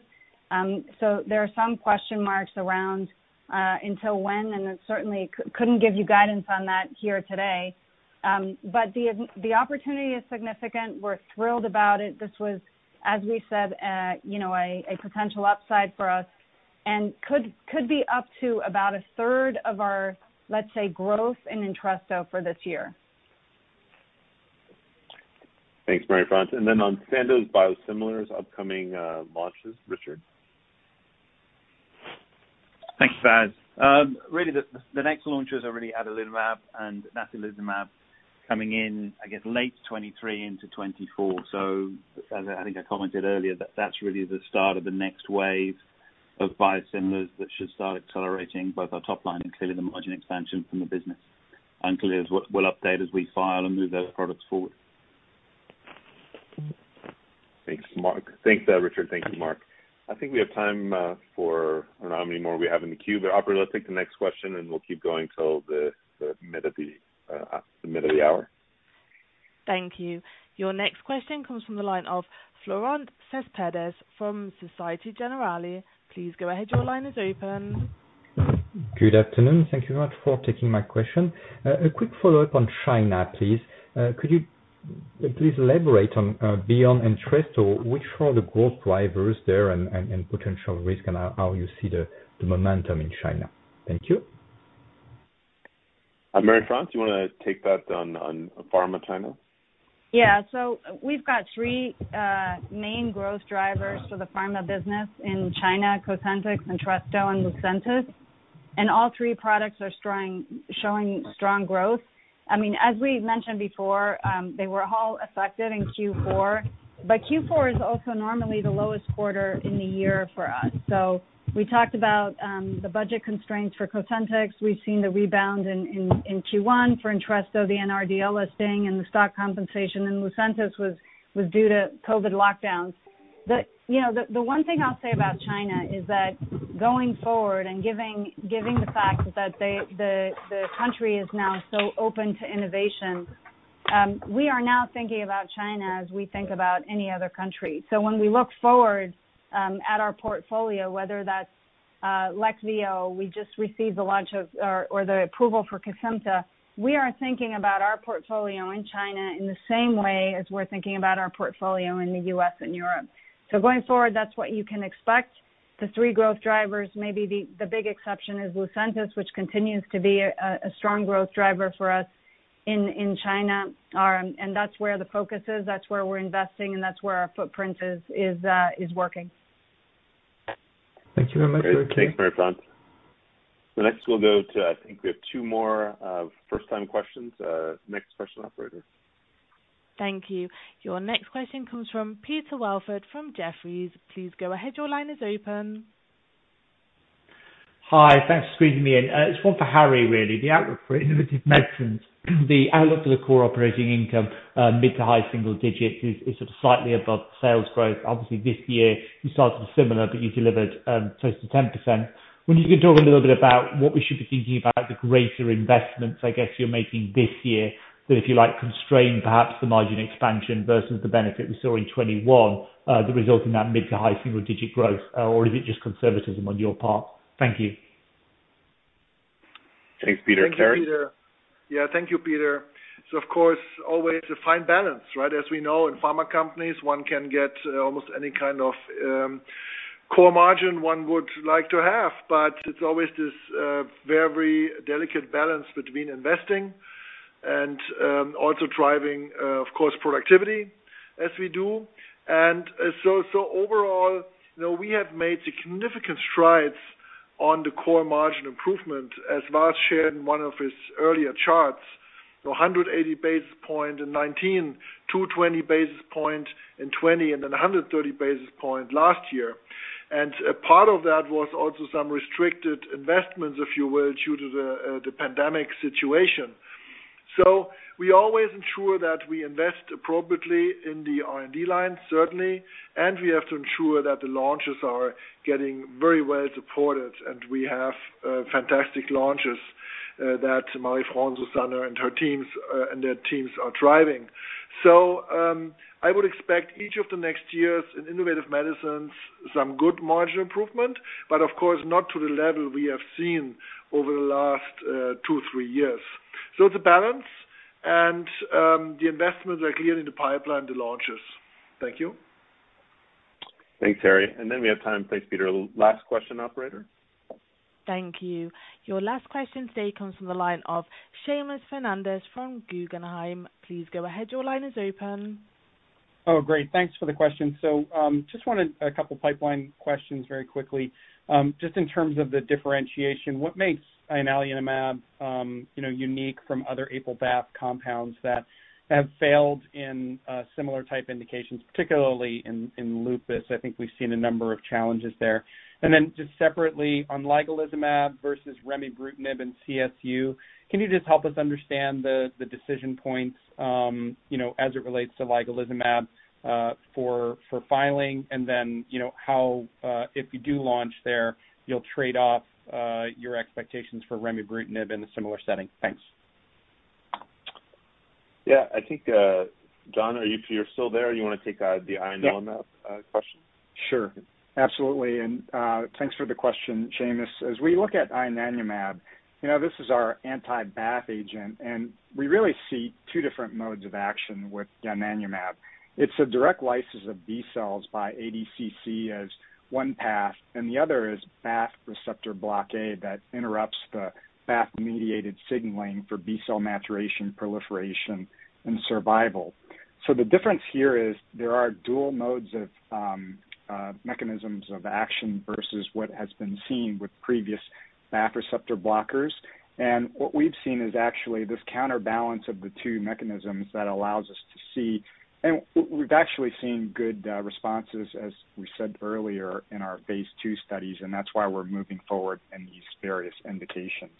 There are some question marks around until when, and I certainly couldn't give you guidance on that here today. The opportunity is significant. We're thrilled about it. This was, as we said, you know, a potential upside for us and could be up to about a third of our, let's say, growth in Entresto for this year. Thanks, Marie-France. On Sandoz Biosimilars' upcoming launches, Richard. Thanks, Vas. Really the next launch is already adalimumab and natalizumab coming in, I guess, late 2023 into 2024. As I think I commented earlier, that's really the start of the next wave of biosimilars that should start accelerating both our top line and clearly the margin expansion from the business. Clearly we'll update as we file and move those products forward. Thanks, Mark. Thanks, Richard. Thank you, Mark. I think we have time for I don't know how many more we have in the queue, but operator, let's take the next question, and we'll keep going till the mid of the hour. Thank you. Your next question comes from the line of Florent Cespedes from Societe Generale. Please go ahead. Your line is open. Good afternoon. Thank you very much for taking my question. A quick follow-up on China, please. Could you please elaborate on beyond Entresto, which are the growth drivers there and potential risk and how you see the momentum in China? Thank you. Marie-France, you wanna take that on pharma China? Yeah. We've got three main growth drivers for the pharma business in China, Cosentyx, Entresto, and Lucentis. All three products are strong, showing strong growth. I mean, as we mentioned before, they were all effective in Q4, but Q4 is also normally the lowest quarter in the year for us. We talked about the budget constraints for Cosentyx. We've seen the rebound in Q1 for Entresto, the NRDL listing and the stock compensation, and Lucentis was due to COVID lockdowns. You know, the one thing I'll say about China is that going forward and giving the fact that they, the country is now so open to innovation, we are now thinking about China as we think about any other country. When we look forward at our portfolio, whether that's Leqvio, we just received the launch of or the approval for Kesimpta, we are thinking about our portfolio in China in the same way as we're thinking about our portfolio in the U.S. and Europe. Going forward, that's what you can expect. The three growth drivers. Maybe the big exception is Lucentis, which continues to be a strong growth driver for us in China. That's where the focus is, that's where we're investing, and that's where our footprint is working. Thank you very much. Great. Thanks, Marie-France. Next we'll go to, I think we have two more first-time questions. Next question, operator. Thank you. Your next question comes from Peter Welford from Jefferies. Please go ahead. Your line is open. Hi. Thanks for squeezing me in. It's one for Harry, really. The outlook for Innovative Medicines. The outlook for the core operating income, mid- to high-single digits, is sort of slightly above sales growth. Obviously, this year you started similar, but you delivered close to 10%. Would you talk a little bit about what we should be thinking about the greater investments, I guess, you're making this year that, if you like, constrain perhaps the margin expansion versus the benefit we saw in 2021 that result in that mid- to high-single-digit growth? Or is it just conservatism on your part? Thank you. Thanks, Peter. Harry? Thank you, Peter. Yeah, thank you, Peter. Of course, always a fine balance, right? As we know in pharma companies, one can get almost any kind of core margin one would like to have, but it's always this very delicate balance between investing and also driving, of course, productivity as we do. Overall, you know, we have made significant strides on the core margin improvement, as Vas shared in one of his earlier charts. You know, 180 basis points in 2019, 220 basis points in 2020, and then 130 basis points last year. A part of that was also some restricted investments, if you will, due to the pandemic situation. We always ensure that we invest appropriately in the R&D line, certainly, and we have to ensure that the launches are getting very well supported, and we have fantastic launches. That Marie-France Tschudin and her teams are driving. I would expect each of the next years in Innovative Medicines some good margin improvement, but of course not to the level we have seen over the last two to three years. It's a balance and the investments are clear in the pipeline, the launches. Thank you. Thanks, Harry. We have time, please, Peter. Last question, operator. Thank you. Your last question today comes from the line of Seamus Fernandez from Guggenheim. Please go ahead. Your line is open. Oh, great. Thanks for the question. Just wanted a couple pipeline questions very quickly. Just in terms of the differentiation, what makes ianalumab you know unique from other anti-BAFF compounds that have failed in similar type indications, particularly in lupus. I think we've seen a number of challenges there. Just separately on ligelizumab versus remibrutinib in CSU, can you just help us understand the decision points you know as it relates to ligelizumab for filing and then you know how if you do launch there you'll trade off your expectations for remibrutinib in a similar setting? Thanks. Yeah. I think, John, are you still there. You wanna take the ianalumab question? Sure. Absolutely. Thanks for the question, Seamus. As we look at ianalumab, you know, this is our anti-BAFF agent, and we really see two different modes of action with ianalumab. It's a direct lysis of B cells by ADCC as one path, and the other is BAFF receptor blockade that interrupts the BAFF-mediated signaling for B-cell maturation, proliferation and survival. The difference here is there are dual modes of mechanisms of action versus what has been seen with previous BAFF receptor blockers. What we've seen is actually this counterbalance of the two mechanisms that allows us to see. We've actually seen good responses, as we said earlier in our phase II studies, and that's why we're moving forward in these various indications.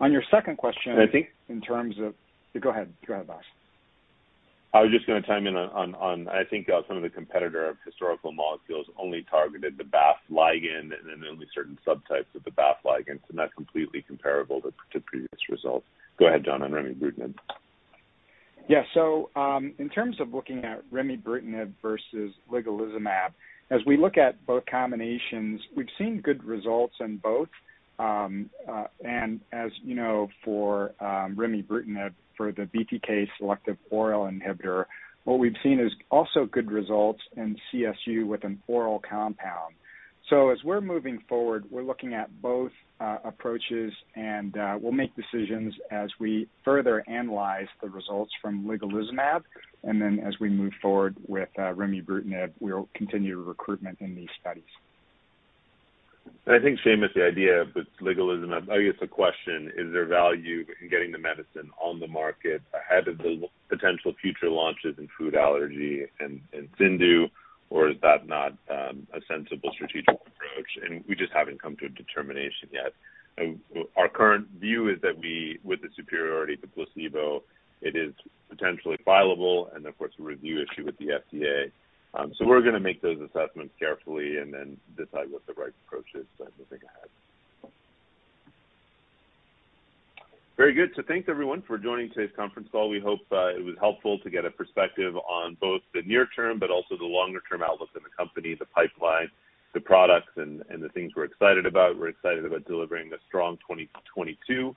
On your second question- I think. Go ahead, Vas. I was just gonna chime in on, I think, some of the competitor historical molecules only targeted the BAFF ligand and then only certain subtypes of the BAFF ligand, so not completely comparable to previous results. Go ahead, John, on remibrutinib. Yeah. In terms of looking at remibrutinib versus ligelizumab, as we look at both combinations, we've seen good results in both. As you know, for remibrutinib, for the BTK selective oral inhibitor, what we've seen is also good results in CSU with an oral compound. As we're moving forward, we're looking at both approaches and we'll make decisions as we further analyze the results from ligelizumab. As we move forward with remibrutinib, we'll continue recruitment in these studies. I think, Seamus, the idea of ligelizumab, I guess the question, is there value in getting the medicine on the market ahead of the potential future launches in food allergy and CIndU? Or is that not a sensible strategic approach? We just haven't come to a determination yet. Our current view is that with the superiority to placebo, it is potentially fileable and of course a review issue with the FDA. We're gonna make those assessments carefully and then decide what the right approach is going forward. Very good. Thanks everyone for joining today's conference call. We hope it was helpful to get a perspective on both the near term but also the longer term outlook in the company, the pipeline, the products and the things we're excited about. We're excited about delivering a strong 2022.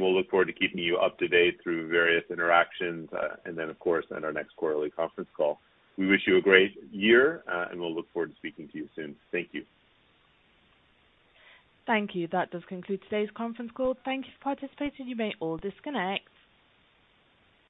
We'll look forward to keeping you up to date through various interactions, and then of course at our next quarterly conference call. We wish you a great year, and we'll look forward to speaking to you soon. Thank you. Thank you. That does conclude today's conference call. Thank you for participating. You may all disconnect.